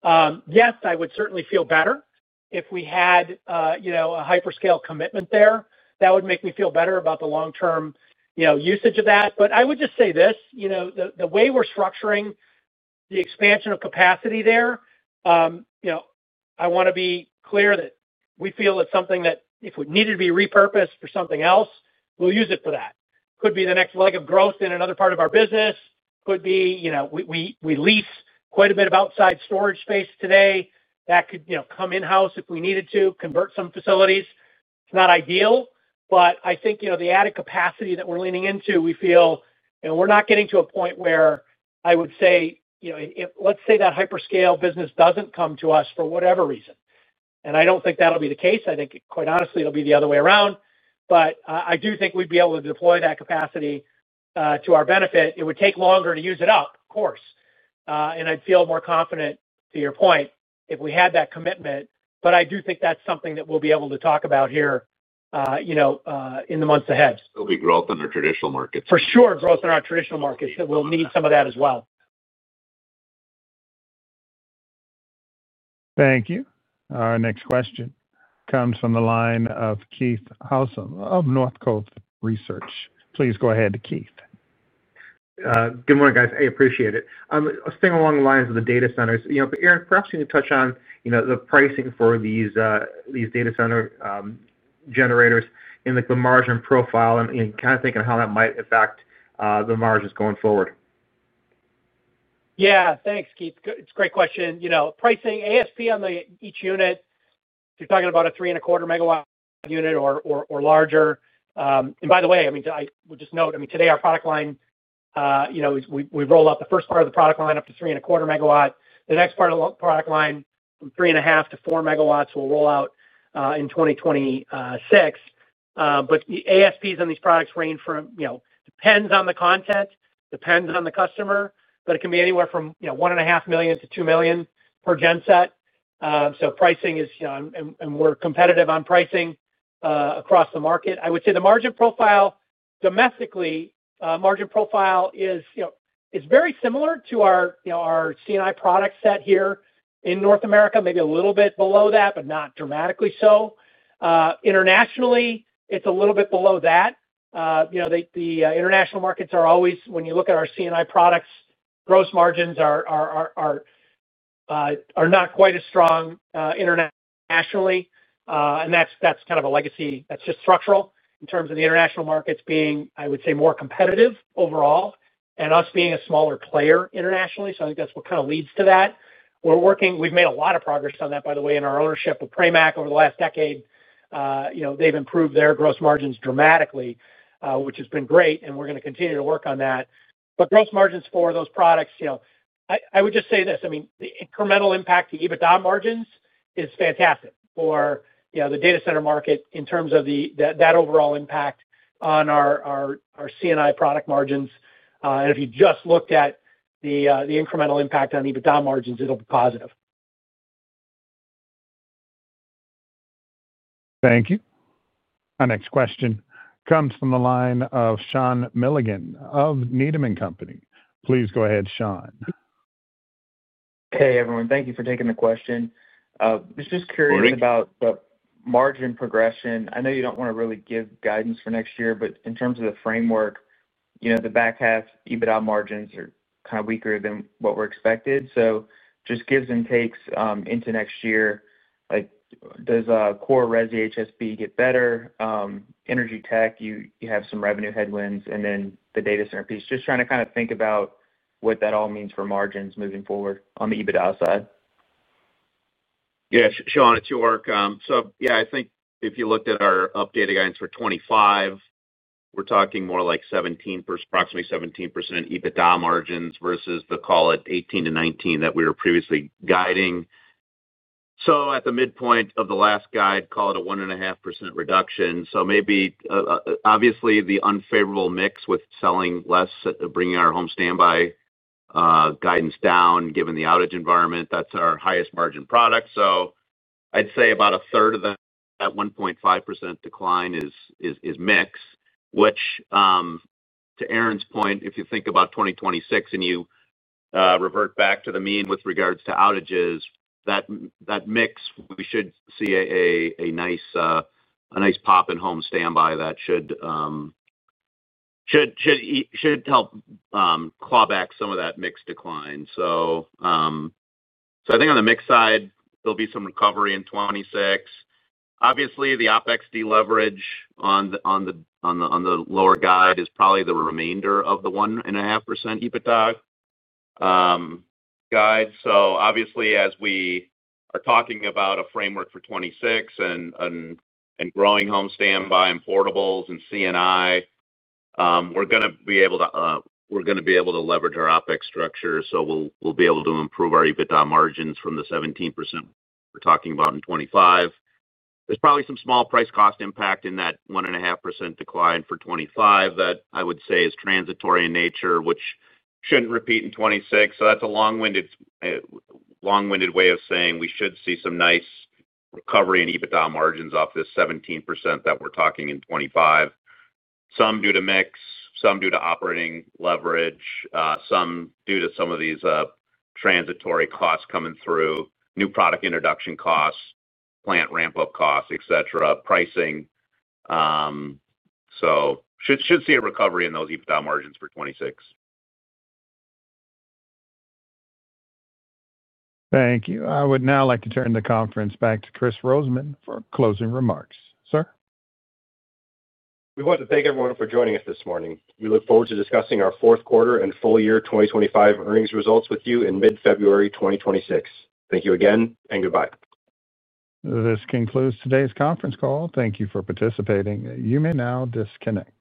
yes, I would certainly feel better if we had a hyperscale commitment there. That would make me feel better about the long term usage of that. I would just say this, the way we're structuring the expansion of capacity there, I want to be clear that we feel that is something that if it needed to be repurposed for something else, we'll use it for that. That could be the next leg of growth in another part of our business. It could be, we lease quite a bit of outside storage space today that could come in house if we needed to convert some facilities. It's not ideal, but I think the added capacity that we're leaning into, we feel we're not getting to a point where I would say, if, let's say that hyperscale business doesn't come to us for whatever reason. I don't think that'll be the case. I think quite honestly, it'll be the other way around. I do think we'd be able to deploy that capacity to our benefit. It would take longer to use it up, of course, and I'd feel more confident to your point if we had that commitment. I do think that's something that we'll be able to talk about here in the months ahead. There'll be growth in our traditional markets. For sure. Growth in our traditional markets. We'll need some of that as well. Thank you. Our next question comes from the line of Keith Housum of Northcoast Research. Please go ahead, Keith. Good morning, guys. I appreciate it. Staying along the lines of the data centers, Aaron, perhaps you can touch on the pricing for these data center generators. The margin profile and kind of thinking how that might affect the margins going forward. Yeah, thanks, Keith. It's a great question. You know, pricing ASP on each unit, you're talking about a three and a quarter megawatt unit or larger. By the way, I would just note, today our product line, we roll out the first part of the product line up to three and a quarter megawatt. The next part of the product line from three and a half to four MW will roll out in 2026. The ASPs on these products range from, you know, it depends on the content, depends on the customer, but it can be anywhere from $1.5 million-$2 million per gen set. Pricing is, and we're competitive on pricing across the market. I would say the margin profile domestically, margin profile is very similar to our C&I product set here in North America, maybe a little bit below that, but not dramatically so. Internationally, it's a little bit below that. The international markets are always, when you look at our C&I products, gross margins are not quite as strong internationally. That's kind of a legacy. That's just structural in terms of the international markets being, I would say, more competitive overall and us being a smaller player internationally. I think that's what kind of leads to that. We're working, we've made a lot of progress on that, by the way, in our ownership of Pramac over the last decade. They've improved their gross margins dramatically, which has been great and we're going to continue to work on that. Gross margins for those products, I would just say this. The incremental impact to EBITDA margins is fantastic for the data center market in terms of the overall impact on our C&I product margins. If you just looked at the incremental impact on EBITDA margins, it'll be positive. Thank you. Our next question comes from the line of Sean Milligan of Needham & Company. Please go ahead, Sean. Hey everyone, thank you for taking the question. I was just curious about the margin progression. I know you don't want to really give guidance for next year, but in. In terms of the framework, the back half Adjusted EBITDA margins are kind of weaker than what were expected. It just gives and takes into next year. Like, does core residential, home standby generator line get better? Energy tech, you have some revenue headwinds. The data center piece, just trying to kind of think about what that all means for margins moving forward on the EBITDA side. Yeah, Sean, it's York. If you looked at our updated guidance for 2025, we're talking more like 17%, approximately 17% EBITDA margins versus the, call it, 18%-19% that we were previously guiding. At the midpoint of the last guide, call it a 1.5% reduction. Obviously, the unfavorable mix with selling less, bringing our home standby guidance down, given the outage environment, that's our highest margin product. I'd say about a third of that 1.5% decline is mix, which to Aaron's point, if you think about 2026 and you revert back to the mean with regards to outages, that mix, we should see a nice pop in home standby that should help claw back some of that mix decline. I think on the mix side there'll be some recovery in 2026. Obviously, the OpEx deleverage on the lower guide is probably the remainder of the 1.5% EBITDA guide. Obviously, as we are talking about a framework for 2026 and growing home standby, portable generators, and C&I, we are going to be able to leverage our OpEx structure. We will be able to improve our EBITDA margins from the 17% we are talking about in 2025. There is probably some small price cost impact in that 1.5% decline for 2025 that I would say is transitory in nature, which should not repeat in 2026. That is a long-winded way of saying we should see some nice recovery in EBITDA margins off this 17% that we are talking in 2025, some due to mix, some due to operating leverage, some due to some of these transitory costs coming through, new product introduction costs, plant ramp-up costs, pricing. We should see a recovery in those EBITDA margins for 2026. Thank you. I would now like to turn the conference back to Chris Rosemann for closing remarks. Sir? we want to thank everyone for joining us this morning. We look forward to discussing our fourth quarter and full year 2025 earnings results with you in mid February 2026. Thank you again and goodbye. This concludes today's conference call. Thank you for participating. You may now disconnect.